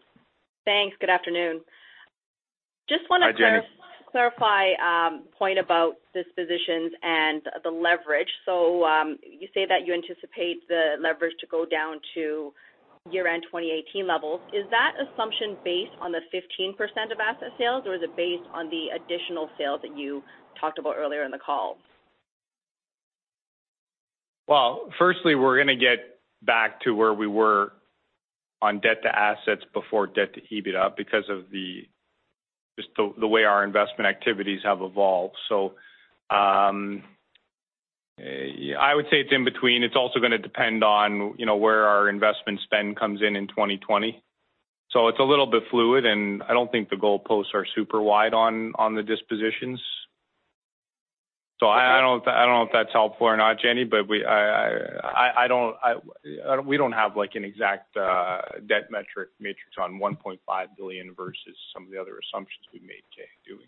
Thanks. Good afternoon. Hi, Jenny. Just want to clarify a point about dispositions and the leverage. You say that you anticipate the leverage to go down to year-end 2018 levels. Is that assumption based on the 15% of asset sales, or is it based on the additional sales that you talked about earlier in the call? Well, firstly, we're going to get back to where we were on debt-to-assets before debt to EBITDA, because of just the way our investment activities have evolved. I would say it's in between. It's also going to depend on where our investment spend comes in in 2020. It's a little bit fluid, and I don't think the goalposts are super wide on the dispositions. I don't know if that's helpful or not, Jenny, but we don't have an exact debt metric matrix on 1.5 billion versus some of the other assumptions we've made, do we?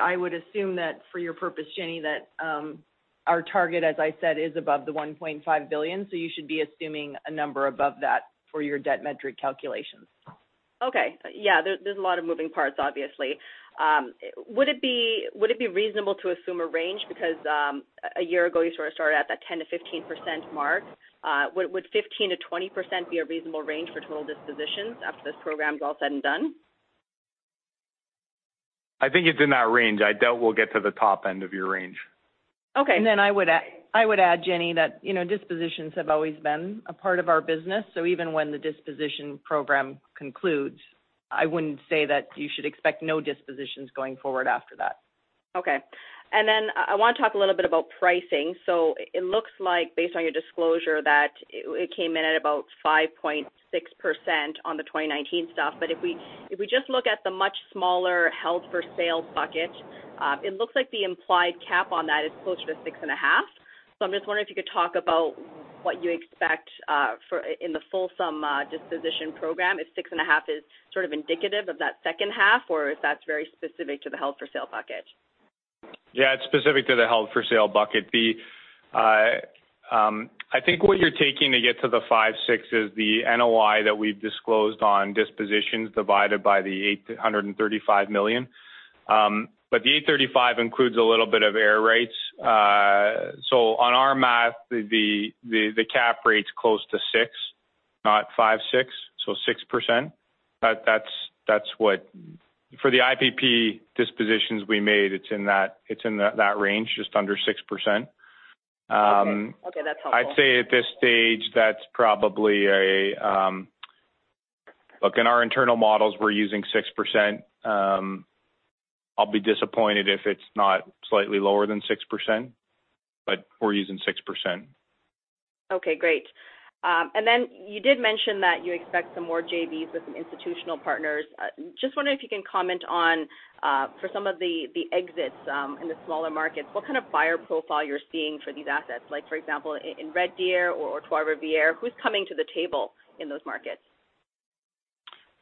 I would assume that for your purpose, Jenny, that our target, as I said, is above the 1.5 billion. You should be assuming a number above that for your debt metric calculations. Okay. Yeah. There's a lot of moving parts, obviously. Would it be reasonable to assume a range? A year ago you sort of started at that 10%-15% mark. Would 15%-20% be a reasonable range for total dispositions after this program is all said and done? I think it's in that range. I doubt we'll get to the top end of your range. Okay. I would add, Jenny, that dispositions have always been a part of our business. Even when the disposition program concludes, I wouldn't say that you should expect no dispositions going forward after that. Okay. Then I want to talk a little bit about pricing. It looks like, based on your disclosure, that it came in at about 5.6% on the 2019 stuff. If we just look at the much smaller held for sale bucket, it looks like the implied cap on that is closer to 6.5%. I'm just wondering if you could talk about what you expect in the fulsome disposition program if 6.5% is sort of indicative of that second half or if that's very specific to the held for sale bucket. Yeah, it's specific to the held for sale bucket. I think what you're taking to get to the 5.6 is the NOI that we've disclosed on dispositions divided by the 835 million. The 835 million includes a little bit of error rates. On our math, the cap rate's close to 6%, not 5.6, so 6%. For the IPP dispositions we made, it's in that range, just under 6%. Okay, that's helpful. I'd say at this stage, look, in our internal models we're using 6%. I'll be disappointed if it's not slightly lower than 6%, but we're using 6%. Okay, great. You did mention that you expect some more JVs with some institutional partners. Just wondering if you can comment on for some of the exits in the smaller markets, what kind of buyer profile you're seeing for these assets. For example, in Red Deer or Trois-Rivières, who's coming to the table in those markets?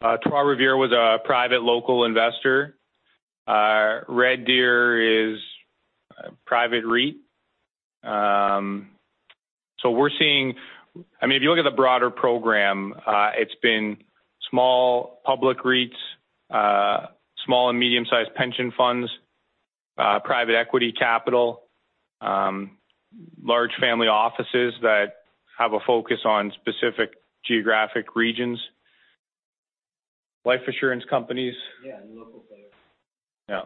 Trois-Rivières was a private local investor. Red Deer is a private REIT. If you look at the broader program, it's been small public REITs, small and medium-sized pension funds, private equity capital, large family offices that have a focus on specific geographic regions, life insurance companies. Yeah, local players. Yeah.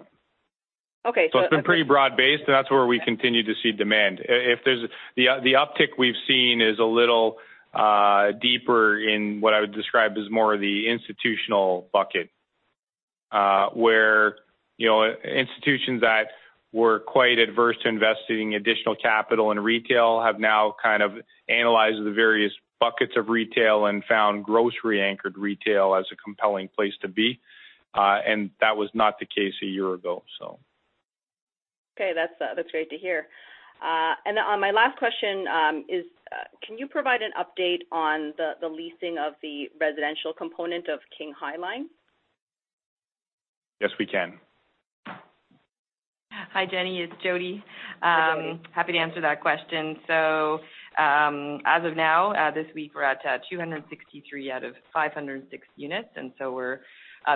Okay. It's been pretty broad-based and that's where we continue to see demand. The uptick we've seen is a little deeper in what I would describe as more of the institutional bucket. Where institutions that were quite adverse to investing additional capital in retail have now kind of analyzed the various buckets of retail and found grocery anchored retail as a compelling place to be. That was not the case a year ago. Okay. That's great to hear. My last question is can you provide an update on the leasing of the residential component of King High Line? Yes, we can. Hi, Jenny, it's Jodi. Hi, Jodi. Happy to answer that question. As of now, this week we're at 263 out of 506 units and so we're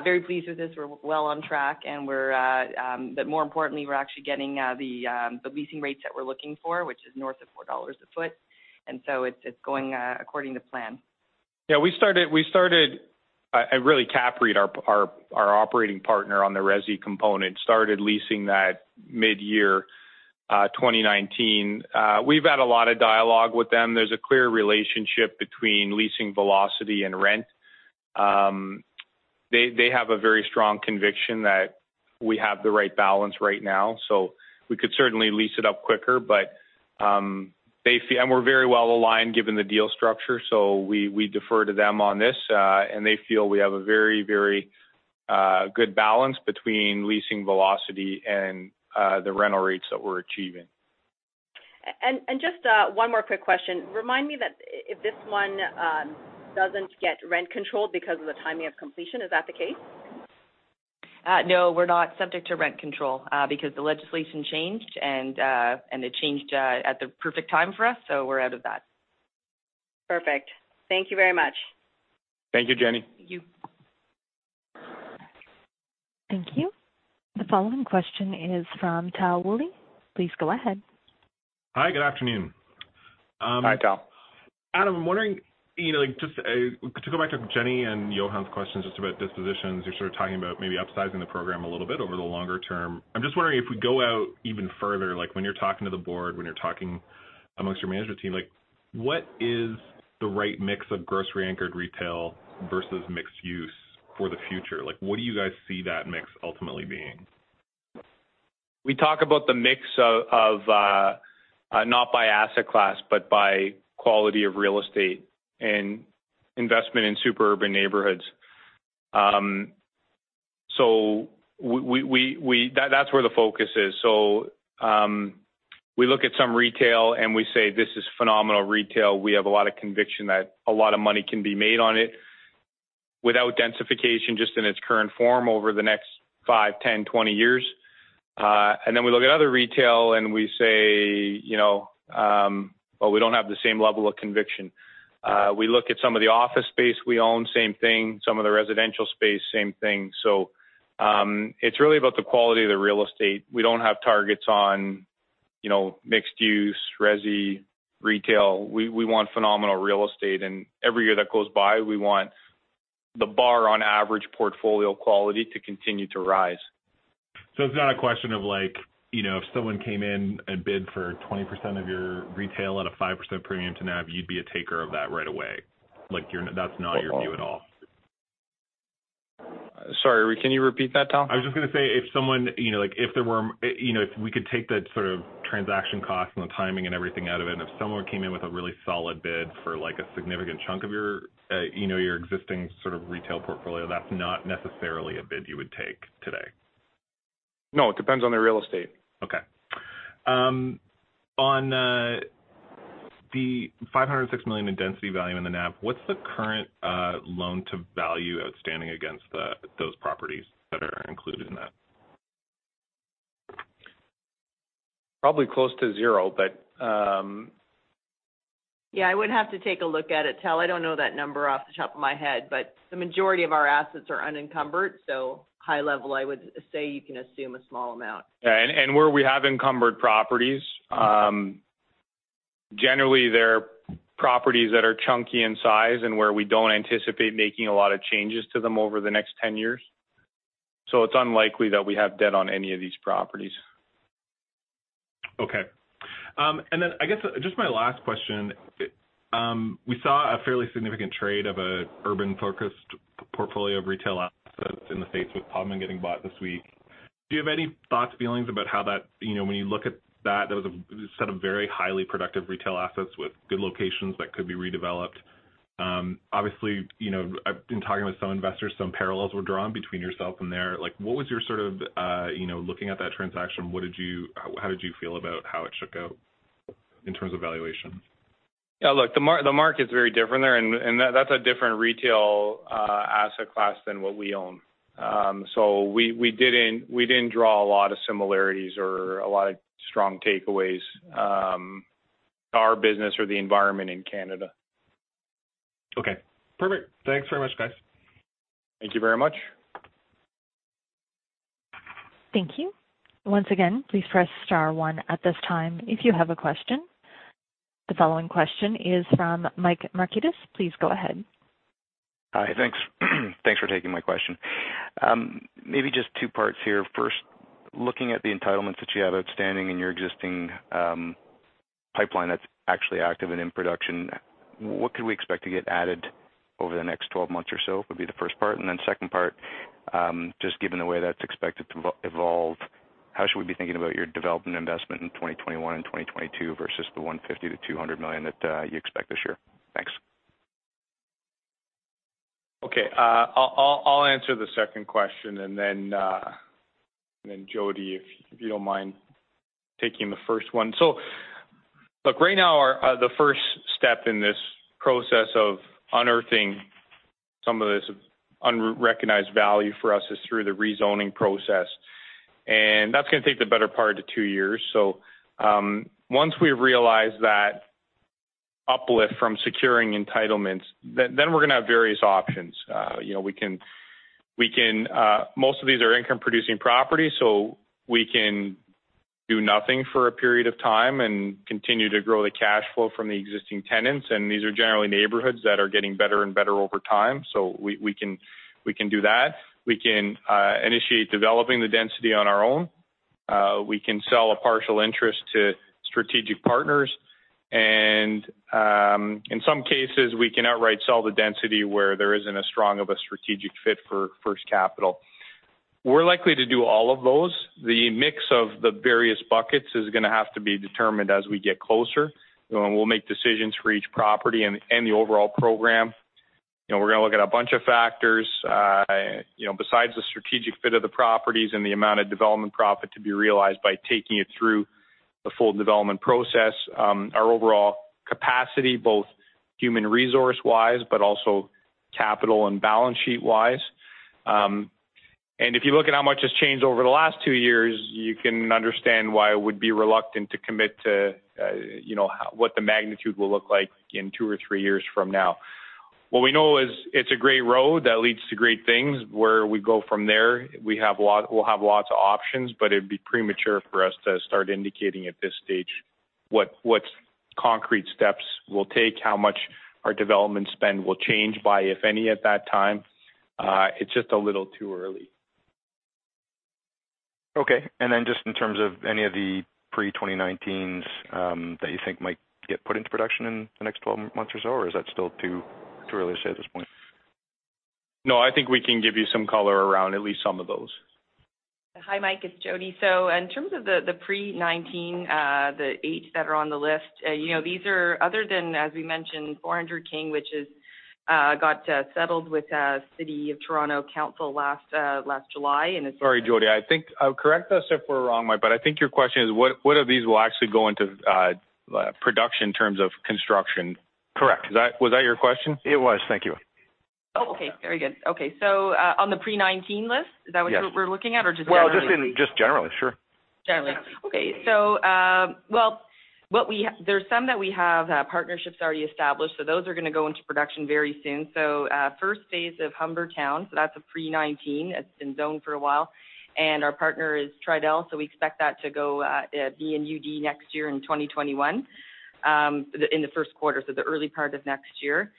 very pleased with this. We're well on track but more importantly, we're actually getting the leasing rates that we're looking for, which is north of 4 dollars a foot. It's going according to plan. Yeah. Really, CAPREIT, our operating partner on the resi component started leasing that mid-year 2019. We've had a lot of dialogue with them. There's a clear relationship between leasing velocity and rent. They have a very strong conviction that we have the right balance right now. We could certainly lease it up quicker, and we're very well aligned given the deal structure, so we defer to them on this. They feel we have a very good balance between leasing velocity and the rental rates that we're achieving. Just one more quick question. Remind me that if this one doesn't get rent control because of the timing of completion, is that the case? No, we're not subject to rent control because the legislation changed, and it changed at the perfect time for us, so we're out of that. Perfect. Thank you very much. Thank you, Jenny. Thank you. Thank you. The following question is from Tal Woolley. Please go ahead. Hi, good afternoon. Hi, Tal. Adam, I'm wondering to go back to Jenny and Johann's questions just about dispositions. You're sort of talking about maybe upsizing the program a little bit over the longer term. I'm just wondering if we go out even further, when you're talking to the board, when you're talking amongst your management team, what is the right mix of grocery anchored retail versus mixed use for the future? What do you guys see that mix ultimately being? We talk about the mix of not by asset class but by quality of real estate and investment in super urban neighborhoods. That's where the focus is. We look at some retail and we say, "This is phenomenal retail. We have a lot of conviction that a lot of money can be made on it without densification, just in its current form over the next 5, 10, 20 years." Then we look at other retail and we say, "Well, we don't have the same level of conviction." We look at some of the office space we own, same thing. Some of the residential space, same thing. It's really about the quality of the real estate. We don't have targets on mixed use, resi, retail. We want phenomenal real estate. Every year that goes by, we want the bar on average portfolio quality to continue to rise. It's not a question of like, if someone came in and bid for 20% of your retail at a 5% premium to NAV, you'd be a taker of that right away. Like that's not your view at all. Sorry, can you repeat that, Tal? I was just going to say, if we could take that sort of transaction cost and the timing and everything out of it, and if someone came in with a really solid bid for a significant chunk of your existing retail portfolio, that's not necessarily a bid you would take today. No, it depends on the real estate. Okay. On the 506 million in density value in the NAV, what's the current loan-to-value outstanding against those properties that are included in that? Probably close to zero. Yeah, I would have to take a look at it, Tal. I don't know that number off the top of my head, but the majority of our assets are unencumbered. High level, I would say you can assume a small amount. Yeah, where we have encumbered properties, generally they're properties that are chunky in size and where we don't anticipate making a lot of changes to them over the next 10 years. It's unlikely that we have debt on any of these properties. Okay. I guess just my last question. We saw a fairly significant trade of an urban-focused portfolio of retail assets in the U.S., with Pub, getting bought this week. Do you have any thoughts, feelings about how that, when you look at that was a set of very highly productive retail assets with good locations that could be redeveloped. Obviously, I've been talking with some investors, some parallels were drawn between yourself and there. Looking at that transaction, how did you feel about how it shook out in terms of valuation? Yeah, look, the market's very different there, and that's a different retail asset class than what we own. We didn't draw a lot of similarities or a lot of strong takeaways to our business or the environment in Canada. Okay, perfect. Thanks very much, guys. Thank you very much. Thank you. Once again, please press star one at this time if you have a question. The following question is from Michael Markidis. Please go ahead. Hi. Thanks for taking my question. Maybe just two parts here. First, looking at the entitlements that you have outstanding in your existing pipeline that is actually active and in production, what could we expect to get added over the next 12 months or so, would be the first part. Second part, just given the way that is expected to evolve, how should we be thinking about your development investment in 2021 and 2022 versus the 150 million-200 million that you expect this year? Thanks. Okay. I'll answer the second question and then, Jodi, if you don't mind taking the first one. Look, right now, the first step in this process of unearthing some of this unrecognized value for us is through the rezoning process. That's going to take the better part of two years. Once we realize that uplift from securing entitlements, then we're going to have various options. Most of these are income-producing properties. We can do nothing for a period of time and continue to grow the cash flow from the existing tenants, and these are generally neighborhoods that are getting better and better over time. We can do that. We can initiate developing the density on our own. We can sell a partial interest to strategic partners. In some cases, we can outright sell the density where there isn't as strong of a strategic fit for First Capital. We're likely to do all of those. The mix of the various buckets is going to have to be determined as we get closer, and we'll make decisions for each property and the overall program. We're going to look at a bunch of factors, besides the strategic fit of the properties and the amount of development profit to be realized by taking it through the full development process. Our overall capacity, both human resource-wise but also capital and balance sheet-wise. If you look at how much has changed over the last two years, you can understand why we'd be reluctant to commit to what the magnitude will look like in two or three years from now. What we know is it's a great road that leads to great things. Where we go from there, we'll have lots of options, but it'd be premature for us to start indicating at this stage what concrete steps we'll take, how much our development spend will change by, if any, at that time. It's just a little too early. Okay. Just in terms of any of the pre-2019s that you think might get put into production in the next 12 months or so, or is that still too early to say at this point? No, I think we can give you some color around at least some of those. Hi, Mike, it's Jodi. In terms of the pre-2019, the eight that are on the list. Other than, as we mentioned, 400 King Street West, which got settled with City of Toronto Council last July, and it's Sorry, Jodi. Correct us if we're wrong, Mike, but I think your question is what of these will actually go into production in terms of construction. Correct. Was that your question? It was. Thank you. Okay. Very good. Okay. On the pre-2019 list, is that what we're looking at? Or just generally? Well, just generally. Sure. Generally. Okay. There's some that we have partnerships already established, those are going to go into production very soon. First phase of Humbertown, that's a pre-2019 that's been zoned for a while. Our partner is Tridel, we expect that to be in UD next year in 2021, in the first quarter, the early part of next year.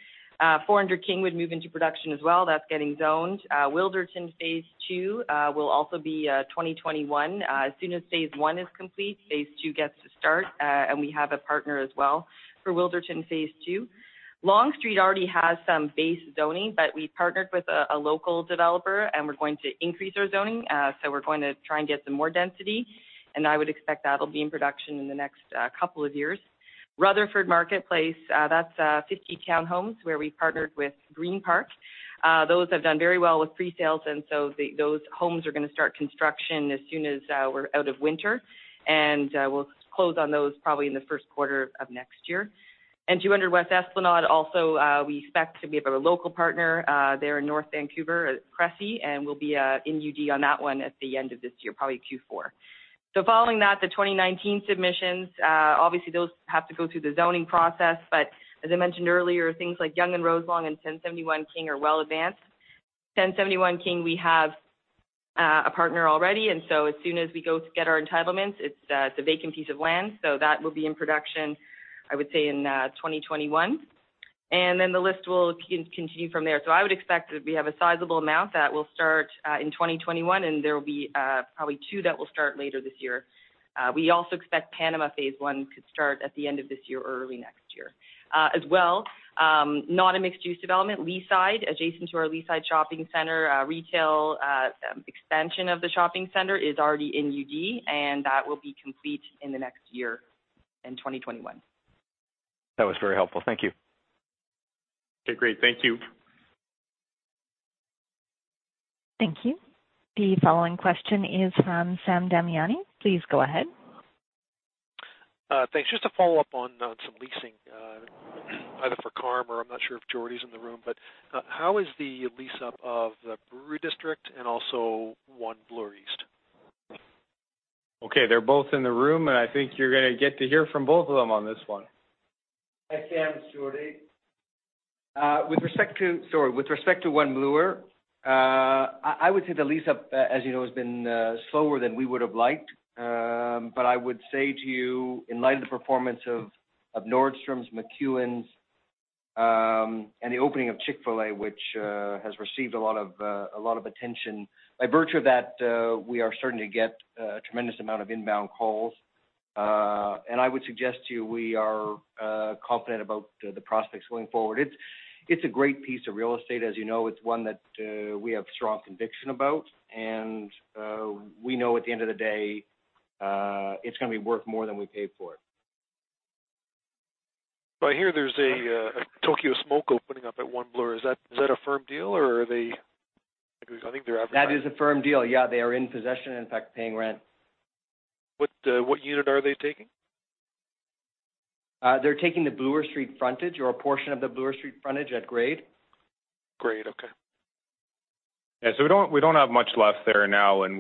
400 King would move into production as well. That's getting zoned. Wilderton phase II will also be 2021. As soon as phase I is complete, phase II gets to start. We have a partner as well for Wilderton phase II. Long Street already has some base zoning, but we partnered with a local developer, and we're going to increase our zoning. We're going to try and get some more density, and I would expect that'll be in production in the next couple of years. Rutherford Marketplace, that's 50 townhomes where we partnered with Greenpark. Those have done very well with pre-sales, those homes are going to start construction as soon as we're out of winter. We'll close on those probably in the first quarter of next year. 200 West Esplanade, also, we expect to be with a local partner there in North Vancouver, Cressey, we'll be in UD on that one at the end of this year, probably Q4. Following that, the 2019 submissions, obviously, those have to go through the zoning process. As I mentioned earlier, things like Yonge and Roselawn and 1071 King are well advanced. 1071 King, we have a partner already, as soon as we go to get our entitlements, it's a vacant piece of land. That will be in production, I would say, in 2021. The list will continue from there. I would expect that we have a sizable amount that will start in 2021, and there will be probably two that will start later this year. We also expect Panama phase I could start at the end of this year or early next year. Not a mixed-use development, Leaside, adjacent to our Leaside Shopping Centre, retail expansion of the Shopping Centre is already in UD, and that will be complete in the next year, in 2021. That was very helpful. Thank you. Okay, great. Thank you. Thank you. The following question is from Sam Damiani. Please go ahead. Thanks. Just to follow up on some leasing, either for Karm or I'm not sure if Jord's in the room, but how is the lease-up of Brewery District and also One Bloor East? Okay. They're both in the room. I think you're going to get to hear from both of them on this one. Hi, Sam. It's Jordan. With respect to One Bloor, I would say the lease-up, as you know, has been slower than we would've liked. I would say to you, in light of the performance of Nordstrom, McEwan, and the opening of Chick-fil-A, which has received a lot of attention. By virtue of that, we are starting to get a tremendous amount of inbound calls. I would suggest to you, we are confident about the prospects going forward. It's a great piece of real estate, as you know. It's one that we have strong conviction about, and we know at the end of the day, it's going to be worth more than we paid for it. I hear there's a Tokyo Smoke opening up at One Bloor. Is that a firm deal? I think they're advertising. That is a firm deal. Yeah, they are in possession, in fact, paying rent. What unit are they taking? They're taking the Bloor Street frontage or a portion of the Bloor Street frontage at grade. Grade. Okay. Yeah. We don't have much left there now, and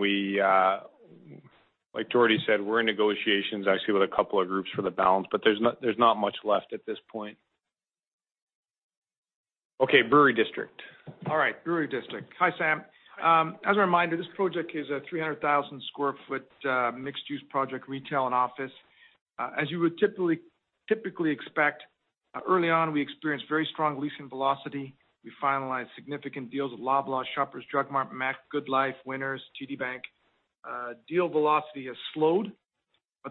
like Jordie said, we're in negotiations actually, with a couple of groups for the balance, but there's not much left at this point. Okay, Brewery District. All right. Brewery District. Hi, Sam. As a reminder, this project is a 300,000 sq ft mixed-use project, retail and office. As you would typically expect, early on, we experienced very strong leasing velocity. We finalized significant deals with Loblaw, Shoppers Drug Mart, MAC, GoodLife, Winners, TD Bank. Deal velocity has slowed,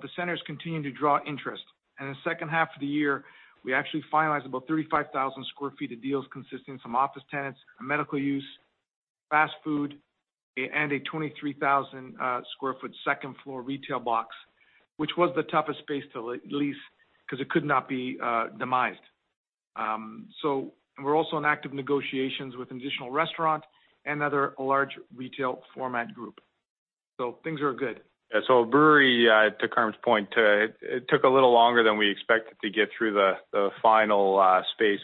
the center's continuing to draw interest. In the second half of the year, we actually finalized about 35,000 sq ft of deals consisting of some office tenants, a medical use, fast food, and a 23,000 sq ft second-floor retail box, which was the toughest space to lease because it could not be demised. We're also in active negotiations with an additional restaurant and another large retail format group. Things are good. Yeah. Brewery, to Carm's point, it took a little longer than we expected to get through the final space.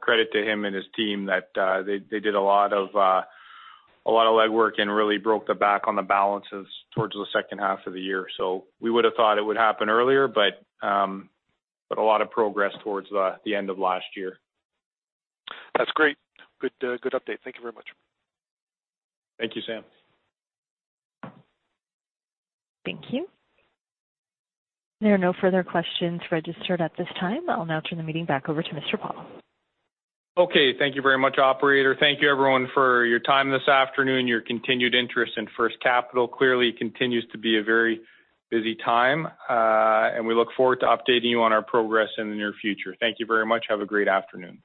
Credit to him and his team that they did a lot of legwork and really broke the back on the balances towards the second half of the year. We would've thought it would happen earlier, but a lot of progress towards the end of last year. That's great. Good update. Thank you very much. Thank you, Sam. Thank you. There are no further questions registered at this time. I'll now turn the meeting back over to Adam Paul. Okay, thank you very much, operator. Thank you everyone for your time this afternoon, your continued interest in First Capital. Clearly, it continues to be a very busy time. We look forward to updating you on our progress in the near future. Thank you very much. Have a great afternoon.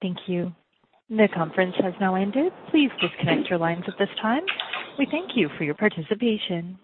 Thank you. The conference has now ended. Please disconnect your lines at this time. We thank you for your participation.